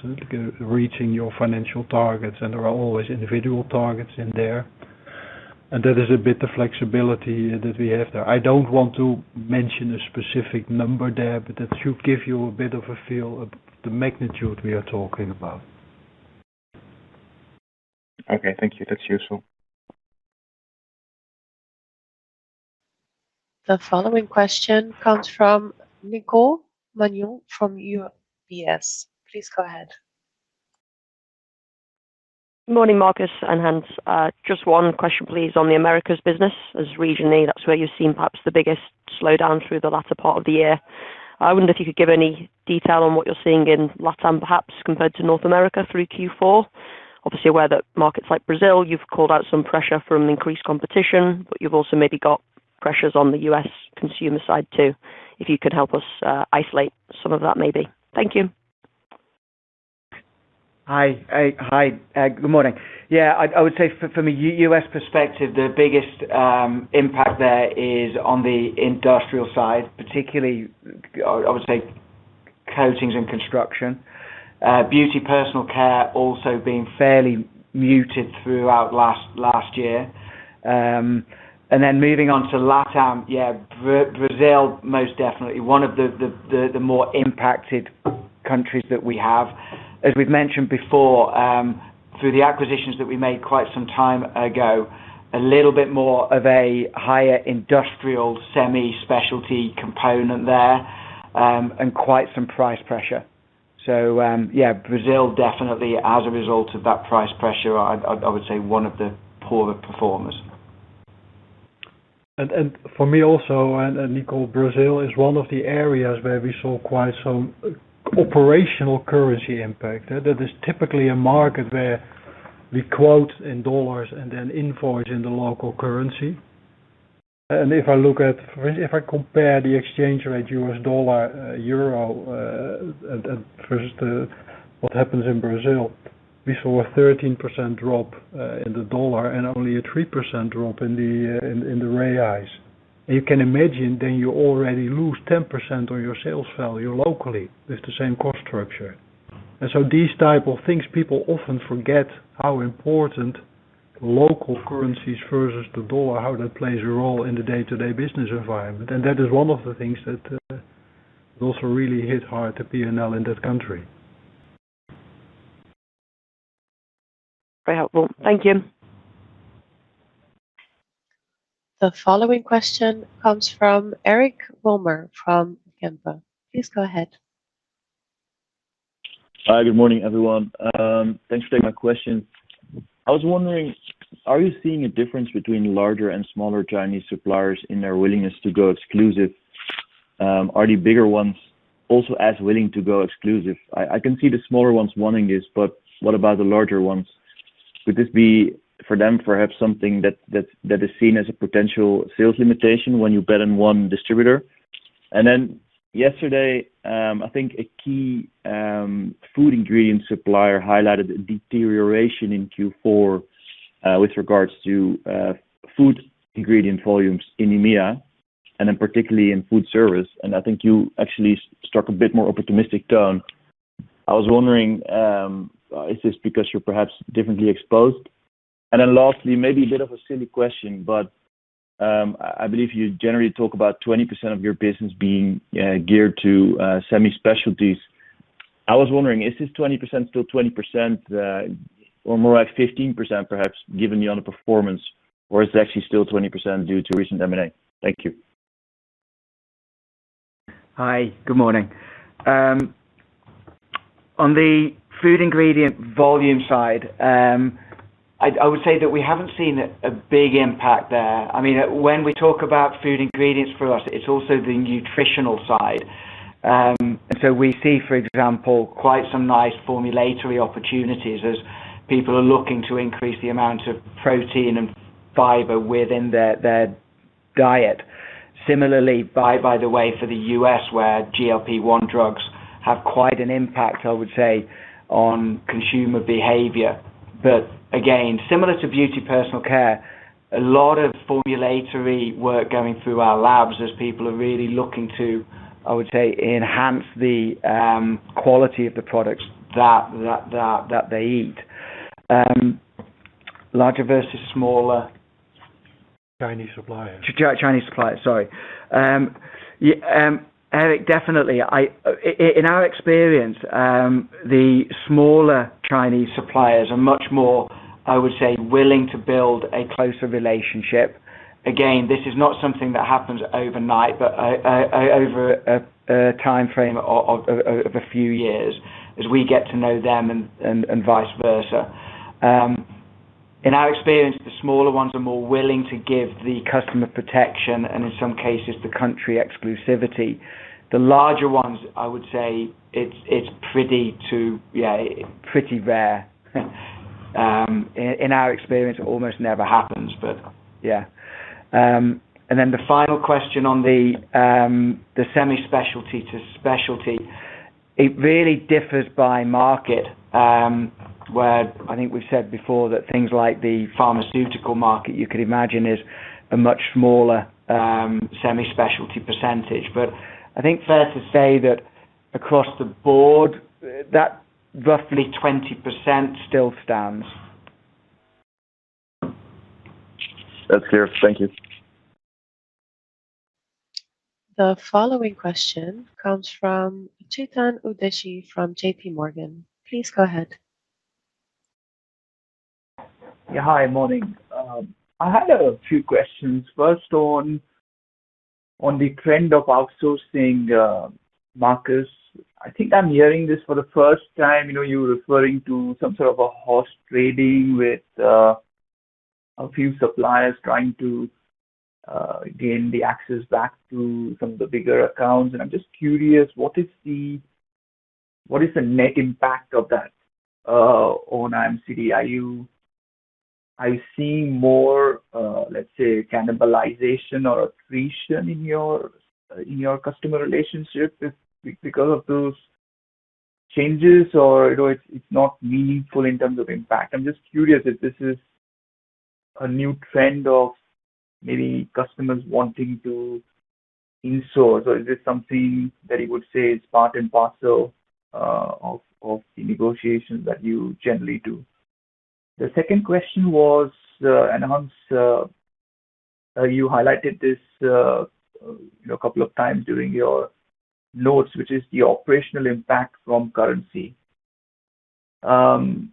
reaching your financial targets, and there are always individual targets in there. That is a bit of flexibility that we have there. I don't want to mention a specific number there, but that should give you a bit of a feel of the magnitude we are talking about. Okay, thank you. That's useful. The following question comes from Nicole Manion from UBS. Please go ahead. Good morning, Marcus and Hans. Just one question, please, on the Americas business. As regionally, that's where you've seen perhaps the biggest slowdown through the latter part of the year. I wonder if you could give any detail on what you're seeing in LATAM, perhaps compared to North America through Q4. Obviously, aware that markets like Brazil, you've called out some pressure from increased competition, but you've also maybe got pressures on the U.S. consumer side, too. If you could help us isolate some of that, maybe. Thank you. Hi, hi. Good morning. Yeah, I would say from a U.S. perspective, the biggest impact there is on the industrial side, particularly, I would say, coatings and construction. Beauty, personal care also being fairly muted throughout last year. And then moving on to LATAM, yeah, Brazil, most definitely one of the more impacted countries that we have. As we've mentioned before, through the acquisitions that we made quite some time ago, a little bit more of a higher industrial semi-specialty component there, and quite some price pressure. So, yeah, Brazil, definitely as a result of that price pressure, I would say, one of the poorer performers. For me also, Nicole, Brazil is one of the areas where we saw quite some operational currency impact. That is typically a market where we quote in dollars and then invoice in the local currency. If I look at, if I compare the exchange rate, U.S. dollar, EUR, versus what happens in Brazil, we saw a 13% drop in the dollar and only a 3% drop in the reais. You can imagine then you already lose 10% of your sales value locally with the same cost structure. So these type of things, people often forget how important local currencies versus the dollar, how that plays a role in the day-to-day business environment. That is one of the things that also really hit hard the P&L in that country. Very helpful. Thank you. The following question comes from Eric Wilmer from Van Lanschot Kempen. Please go ahead. Hi, good morning, everyone. Thanks for taking my question. I was wondering, are you seeing a difference between larger and smaller Chinese suppliers in their willingness to go exclusive? Are the bigger ones also as willing to go exclusive? I can see the smaller ones wanting this, but what about the larger ones? Would this be, for them, perhaps something that is seen as a potential sales limitation when you bet on one distributor? And then yesterday, I think a key food ingredient supplier highlighted a deterioration in Q4 with regards to food ingredient volumes in EMEA, and then particularly in food service. And I think you actually struck a bit more optimistic tone. I was wondering, is this because you're perhaps differently exposed? Then lastly, maybe a bit of a silly question, but I believe you generally talk about 20% of your business being geared to semi-specialties. I was wondering, is this 20% still 20%, or more like 15%, perhaps, given the underperformance, or is it actually still 20% due to recent M&A? Thank you. Hi, good morning. On the food ingredient volume side, I would say that we haven't seen a big impact there. I mean, when we talk about food ingredients, for us, it's also the nutritional side. So we see, for example, quite some nice formulatory opportunities as people are looking to increase the amount of protein and fiber within their diet. Similarly, by the way, for the U.S., where GLP-1 drugs have quite an impact, I would say, on consumer behavior. But again, similar to beauty personal care, a lot of formulatory work going through our labs as people are really looking to, I would say, enhance the quality of the products that they eat. Larger versus smaller? Chinese suppliers. Chinese suppliers, sorry. Eric, definitely. In our experience, the smaller Chinese suppliers are much more, I would say, willing to build a closer relationship. Again, this is not something that happens overnight, but over a time frame of a few years as we get to know them and vice versa. In our experience, the smaller ones are more willing to give the customer protection, and in some cases, the country exclusivity. The larger ones, I would say, it's pretty rare. In our experience, it almost never happens, but yeah. And then the final question on the semi-specialty to specialty, it really differs by market, where I think we've said before that things like the pharmaceutical market, you could imagine, is a much smaller semi-specialty percentage. But I think fair to say that across the board, that roughly 20% still stands. That's clear. Thank you. The following question comes from Chetan Udeshi from JPMorgan. Please go ahead. Yeah, hi. Morning. I had a few questions. First on the trend of outsourcing markets. I think I'm hearing this for the first time. You know, you were referring to some sort of a horse trading with a few suppliers trying to gain the access back to some of the bigger accounts. And I'm just curious, what is the... What is the net impact of that on IMCD? Are you seeing more, let's say, cannibalization or attrition in your customer relationships because of those changes, or, you know, it's not meaningful in terms of impact? I'm just curious if this is a new trend of maybe customers wanting to in-source, or is this something that you would say is part and parcel of the negotiations that you generally do? The second question was, and Hans, you highlighted this, you know, a couple of times during your notes, which is the operational impact from currency. And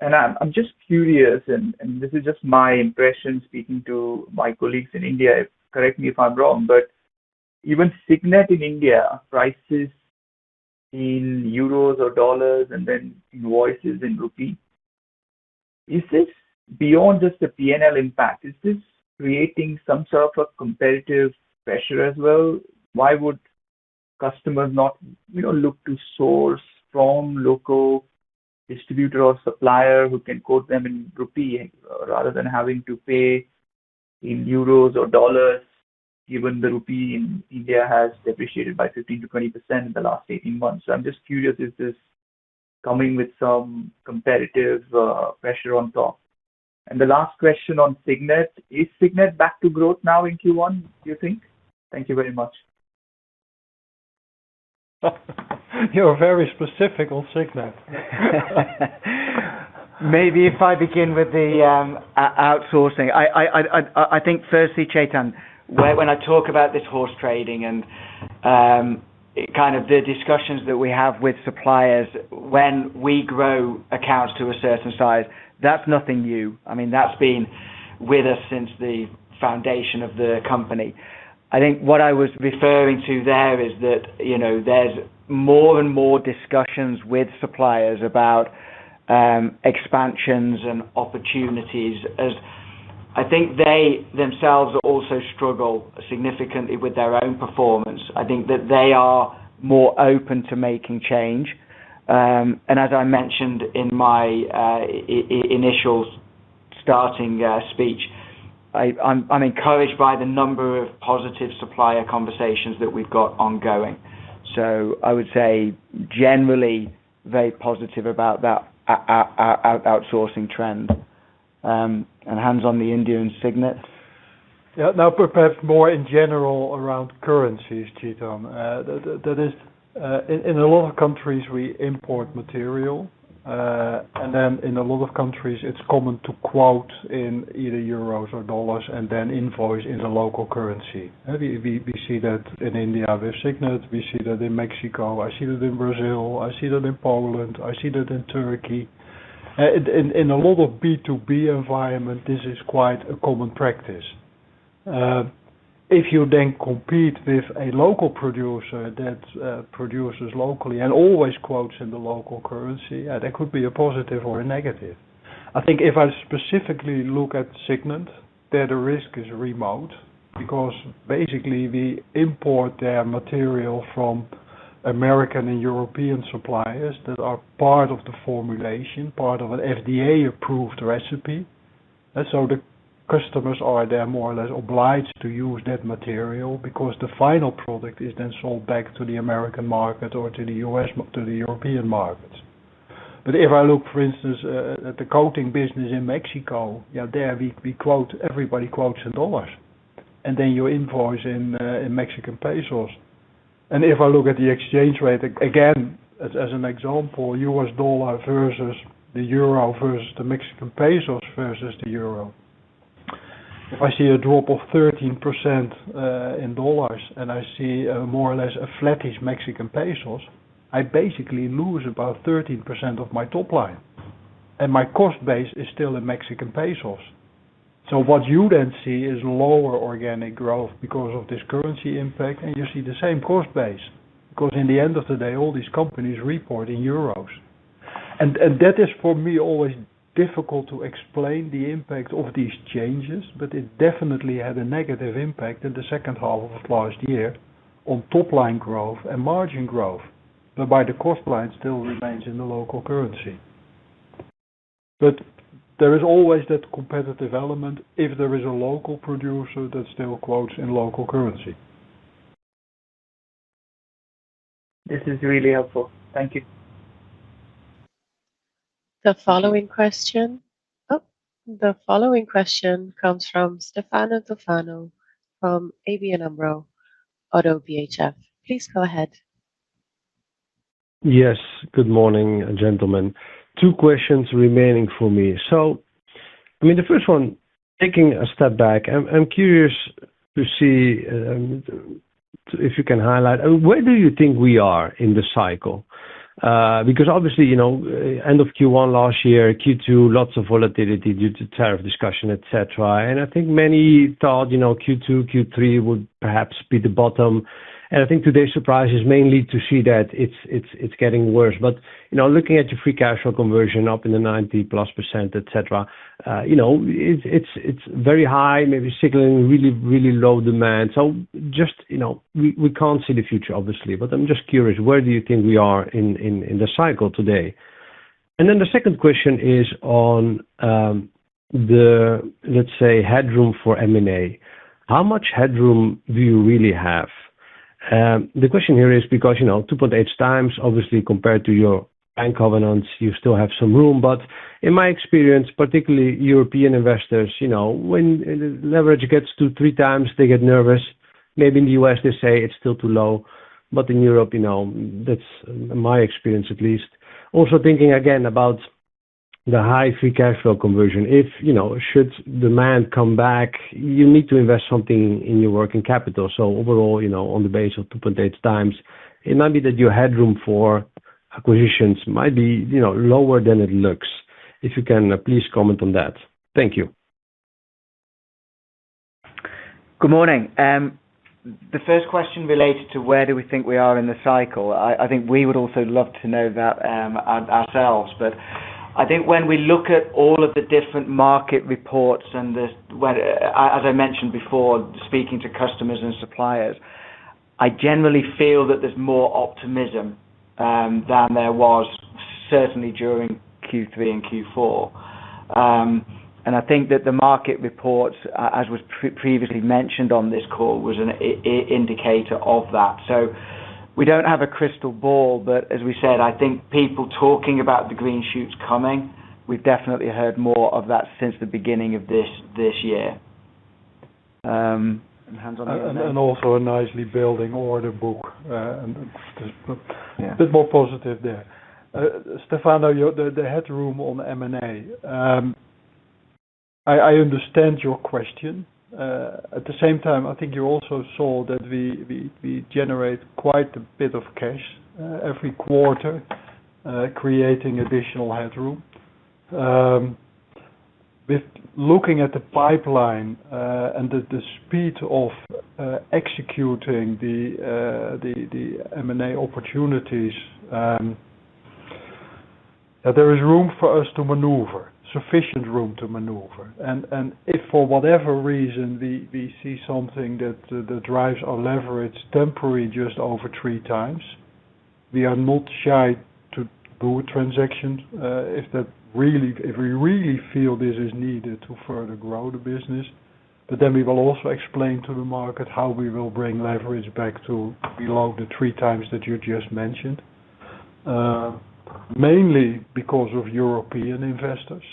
I'm just curious, and this is just my impression, speaking to my colleagues in India, correct me if I'm wrong, but even Signet in India prices in EUR or dollars and then invoices in rupee. Is this beyond just the P&L impact? Is this creating some sort of a competitive pressure as well? Why would customers not, you know, look to source from local distributor or supplier who can quote them in rupee rather than having to pay in EUR or dollars, given the rupee in India has depreciated by 15%-20% in the last 18 months? So I'm just curious, is this coming with some competitive pressure on top? The last question on Signet, is Signet back to growth now in Q1, do you think? Thank you very much. You're very specific on Signet. Maybe if I begin with the outsourcing. I think firstly, Chetan, when I talk about this horse trading and kind of the discussions that we have with suppliers when we grow accounts to a certain size, that's nothing new. I mean, that's been with us since the foundation of the company. I think what I was referring to there is that, you know, there's more and more discussions with suppliers about expansions and opportunities, as I think they themselves also struggle significantly with their own performance. I think that they are more open to making change. And as I mentioned in my initial starting speech, I'm encouraged by the number of positive supplier conversations that we've got ongoing. So I would say generally, very positive about that outsourcing trend. And Hans, on the Indian Signet? Yeah. Now, perhaps more in general around currencies, Chetan. That is in a lot of countries, we import material, and then in a lot of countries, it's common to quote in either EUR or dollars, and then invoice in the local currency. We see that in India with Signet, we see that in Mexico, I see that in Brazil, I see that in Poland, I see that in Turkey. In a lot of B2B environment, this is quite a common practice. If you then compete with a local producer that produces locally and always quotes in the local currency, that could be a positive or a negative. I think if I specifically look at Signet, there the risk is remote because basically, we import their material from American and European suppliers that are part of the formulation, part of an FDA-approved recipe.... And so the customers are there more or less obliged to use that material, because the final product is then sold back to the American market or to the U.S., to the European markets. But if I look, for instance, at the coating business in Mexico, yeah, there we quote, everybody quotes in dollars, and then you invoice in, in Mexican pesos. And if I look at the exchange rate, again, as an example, U.S. dollar versus the EUR, versus the Mexican pesos, versus the EUR. If I see a drop of 13% in dollars, and I see more or less a flattish Mexican pesos, I basically lose about 13% of my top line, and my cost base is still in Mexican pesos. So what you then see is lower organic growth because of this currency impact, and you see the same cost base. Because in the end of the day, all these companies report in EUR. And that is, for me, always difficult to explain the impact of these changes, but it definitely had a negative impact in the second half of last year on top line growth and margin growth. But by the cost line, still remains in the local currency. But there is always that competitive element if there is a local producer that still quotes in local currency. This is really helpful. Thank you. The following question... Oh! The following question comes from Stefano Toffano, from ABN AMRO - ODDO BHF. Please go ahead. Yes, good morning, gentlemen. Two questions remaining for me. So, I mean, the first one, taking a step back, I'm curious to see if you can highlight where do you think we are in the cycle? Because obviously, you know, end of Q1 last year, Q2, lots of volatility due to tariff discussion, et cetera. And I think many thought, you know, Q2, Q3 would perhaps be the bottom. And I think today's surprise is mainly to see that it's getting worse. But, you know, looking at your free cash flow conversion up in the 90%+, et cetera, you know, it's very high, maybe signaling really, really low demand. So just, you know, we can't see the future, obviously, but I'm just curious, where do you think we are in the cycle today? And then the second question is on the, let's say, headroom for M&A. How much headroom do you really have? The question here is because, you know, 2.8x, obviously, compared to your bank covenants, you still have some room. But in my experience, particularly European investors, you know, when leverage gets to 3x, they get nervous. Maybe in the U.S., they say it's still too low, but in Europe, you know, that's my experience at least. Also thinking again about the high free cash flow conversion. If, you know, should demand come back, you need to invest something in your working capital. So overall, you know, on the base of 2.8x, it might be that your headroom for acquisitions might be, you know, lower than it looks. If you can, please comment on that. Thank you. Good morning. The first question related to where do we think we are in the cycle? I think we would also love to know that, our, ourselves. But I think when we look at all of the different market reports and the, well, as I mentioned before, speaking to customers and suppliers, I generally feel that there's more optimism than there was certainly during Q3 and Q4. And I think that the market reports, as was previously mentioned on this call, was an indicator of that. So we don't have a crystal ball, but as we said, I think people talking about the green shoots coming, we've definitely heard more of that since the beginning of this, this year. And Hans on- And also a nicely building order book, and a bit more positive there. Stefano, the headroom on M&A. I understand your question. At the same time, I think you also saw that we generate quite a bit of cash every quarter, creating additional headroom. With looking at the pipeline, and the speed of executing the M&A opportunities, that there is room for us to maneuver, sufficient room to maneuver. And if for whatever reason, we see something that drives our leverage temporary just over 3x, we are not shy to do transactions, if that really, if we really feel this is needed to further grow the business. But then we will also explain to the market how we will bring leverage back to below the 3x that you just mentioned, mainly because of European investors.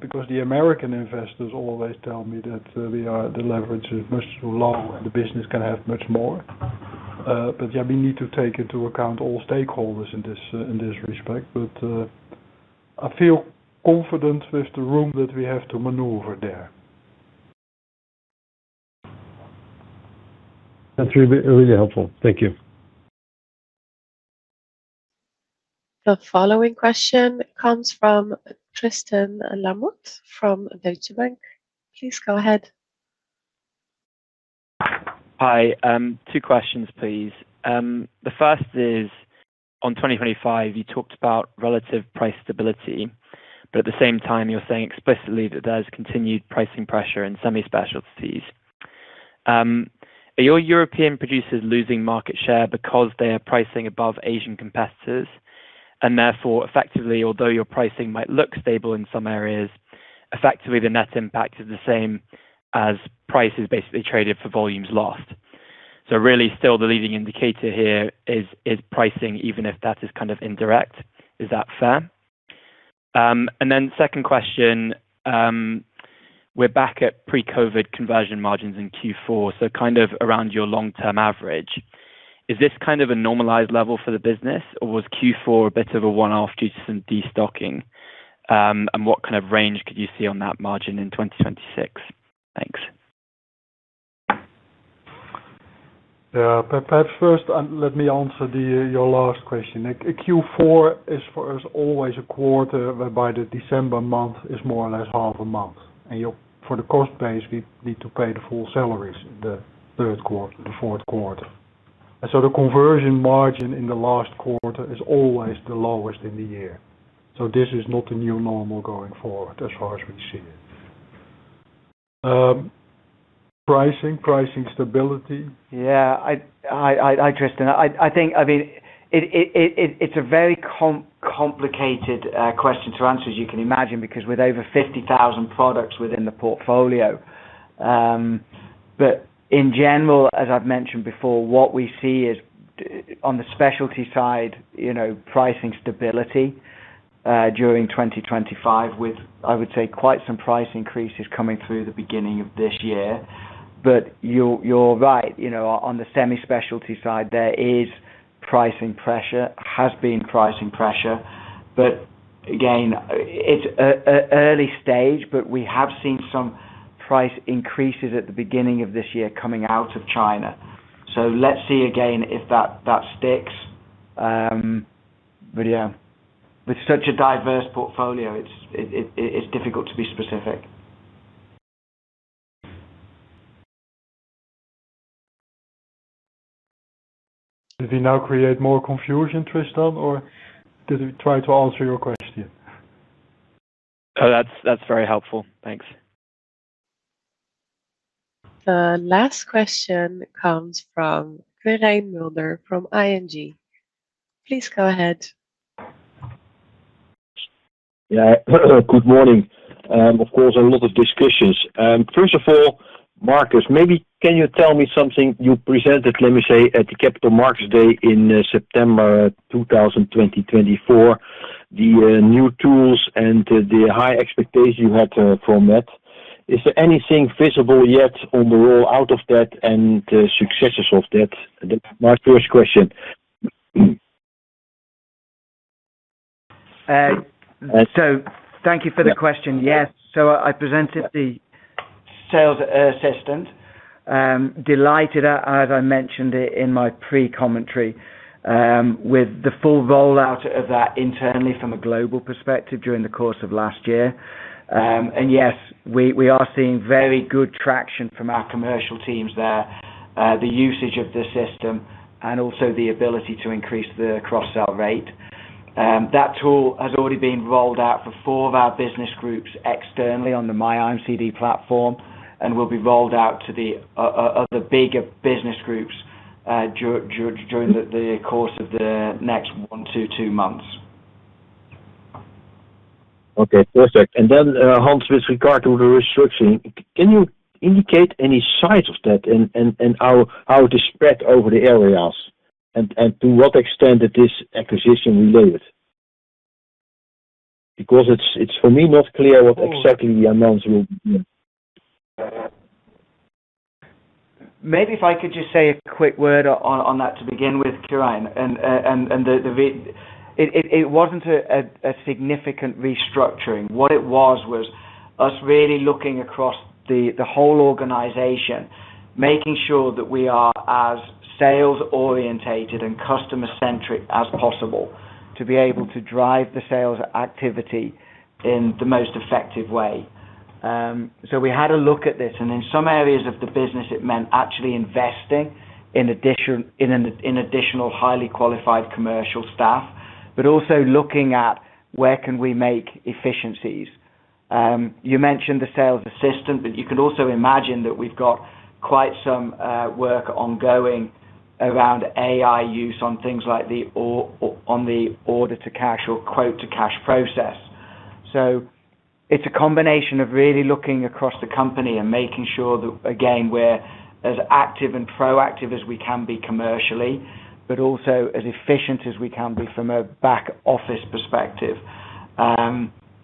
Because the American investors always tell me that, the leverage is much too low and the business can have much more. But, yeah, we need to take into account all stakeholders in this, in this respect. But, I feel confident with the room that we have to maneuver there. That's really, really helpful. Thank you. The following question comes from Tristan Lamotte from Deutsche Bank. Please go ahead. Hi. Two questions, please. The first is, on 2025, you talked about relative price stability, but at the same time, you're saying explicitly that there's continued pricing pressure in semi specialties. Are your European producers losing market share because they are pricing above Asian competitors, and therefore effectively, although your pricing might look stable in some areas, effectively, the net impact is the same as price is basically traded for volumes lost. So really, still the leading indicator here is pricing, even if that is kind of indirect. Is that fair? And then second question, we're back at pre-COVID conversion margins in Q4, so kind of around your long-term average. Is this kind of a normalized level for the business, or was Q4 a bit of a one-off due to some destocking? What kind of range could you see on that margin in 2026? Thanks. Yeah. Perhaps first, let me answer your last question. Q4 is for us always a quarter, whereby the December month is more or less half a month, and for the cost base, we need to pay the full salaries, the third quarter, the fourth quarter. And so the conversion margin in the last quarter is always the lowest in the year. So this is not a new normal going forward as far as we see it. Pricing, pricing stability? Yeah. Tristan, I think, I mean, it's a very complicated question to answer, as you can imagine, because with over 50,000 products within the portfolio, but in general, as I've mentioned before, what we see is, on the specialty side, you know, pricing stability during 2025, with, I would say, quite some price increases coming through the beginning of this year. But you're right, you know, on the semi-specialty side, there is pricing pressure, has been pricing pressure. But again, it's early stage, but we have seen some price increases at the beginning of this year coming out of China. So let's see again, if that sticks. But yeah, with such a diverse portfolio, it's difficult to be specific. Did we now create more confusion, Tristan, or did we try to answer your question? Oh, that's, that's very helpful. Thanks. The last question comes from Quirijn Mulder from ING. Please go ahead. Yeah. Good morning. Of course, a lot of discussions. First of all, Marcus, maybe can you tell me something you presented, let me say, at the Capital Markets Day in September 2024, the new tools and the high expectations you had from that. Is there anything visible yet on the roll out of that and successes of that? My first question. So thank you for the question. Yes. So I presented the Sales Assistant. Delighted, as I mentioned it in my pre-commentary, with the full rollout of that internally from a global perspective during the course of last year. And yes, we are seeing very good traction from our commercial teams there, the usage of the system and also the ability to increase the cross-sell rate. That tool has already been rolled out for four of our business groups externally on the MyIMCD platform, and will be rolled out to the other bigger business groups during the course of the next one to two months. Okay, perfect. Then, Hans, with regard to the restructuring, can you indicate any size of that and how it is spread over the areas, and to what extent that this acquisition related? Because it's for me not clear what exactly the amounts will be. Maybe if I could just say a quick word on that to begin with, Quirijn. It wasn't a significant restructuring. What it was, was us really looking across the whole organization, making sure that we are as sales-oriented and customer-centric as possible, to be able to drive the sales activity in the most effective way. So we had a look at this, and in some areas of the business, it meant actually investing, in addition, in additional highly qualified commercial staff, but also looking at where can we make efficiencies. You mentioned the Sales Assistant, but you can also imagine that we've got quite some work ongoing around AI use on things like the order to cash or quote to cash process. So it's a combination of really looking across the company and making sure that, again, we're as active and proactive as we can be commercially, but also as efficient as we can be from a back office perspective.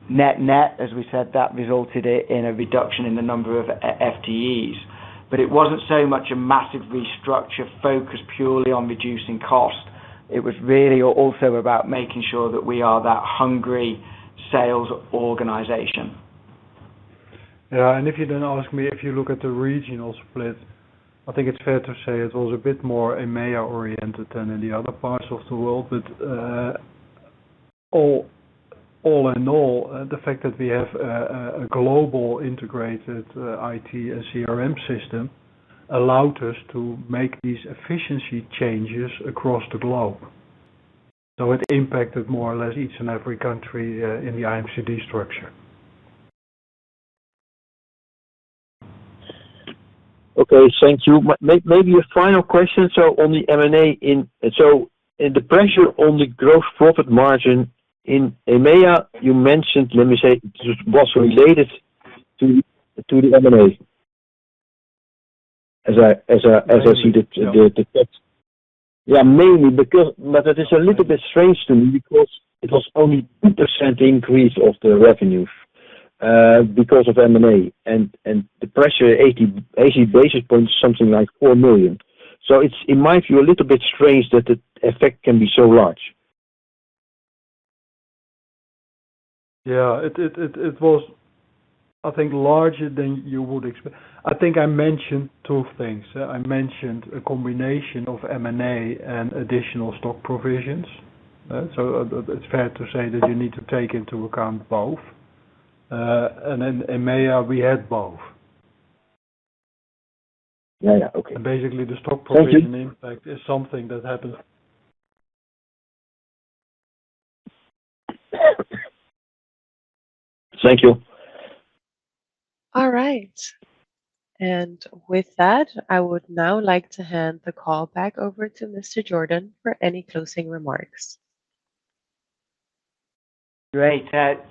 Net, net, as we said, that resulted in a reduction in the number of FTEs. But it wasn't so much a massive restructure focused purely on reducing cost. It was really also about making sure that we are that hungry sales organization. Yeah, and if you then ask me, if you look at the regional split, I think it's fair to say it was a bit more EMEA oriented than in the other parts of the world. But, all in all, the fact that we have a global integrated IT and CRM system allowed us to make these efficiency changes across the globe. So it impacted more or less each and every country in the IMCD structure. Okay, thank you. Maybe a final question. So on the M&A in... So in the pressure on the gross profit margin in EMEA, you mentioned, let me say, it was related to the M&A. As I see the, the, the- Yeah. Yeah, mainly because but it is a little bit strange to me because it was only 2% increase of the revenues because of M&A, and the pressure 80 basis points, something like 4 million. So it's, in my view, a little bit strange that the effect can be so large. Yeah. It was, I think, larger than you would expect. I think I mentioned two things. I mentioned a combination of M&A and additional stock provisions. It's fair to say that you need to take into account both. We had both. Yeah. Yeah. Okay. And basically, the stock provision- Thank you... impact is something that happened. Thank you. All right. With that, I would now like to hand the call back over to Mr. Jordan for any closing remarks. Great.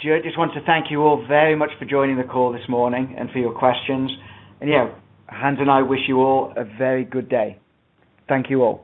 Just want to thank you all very much for joining the call this morning, and for your questions. And, yeah, Hans and I wish you all a very good day. Thank you, all.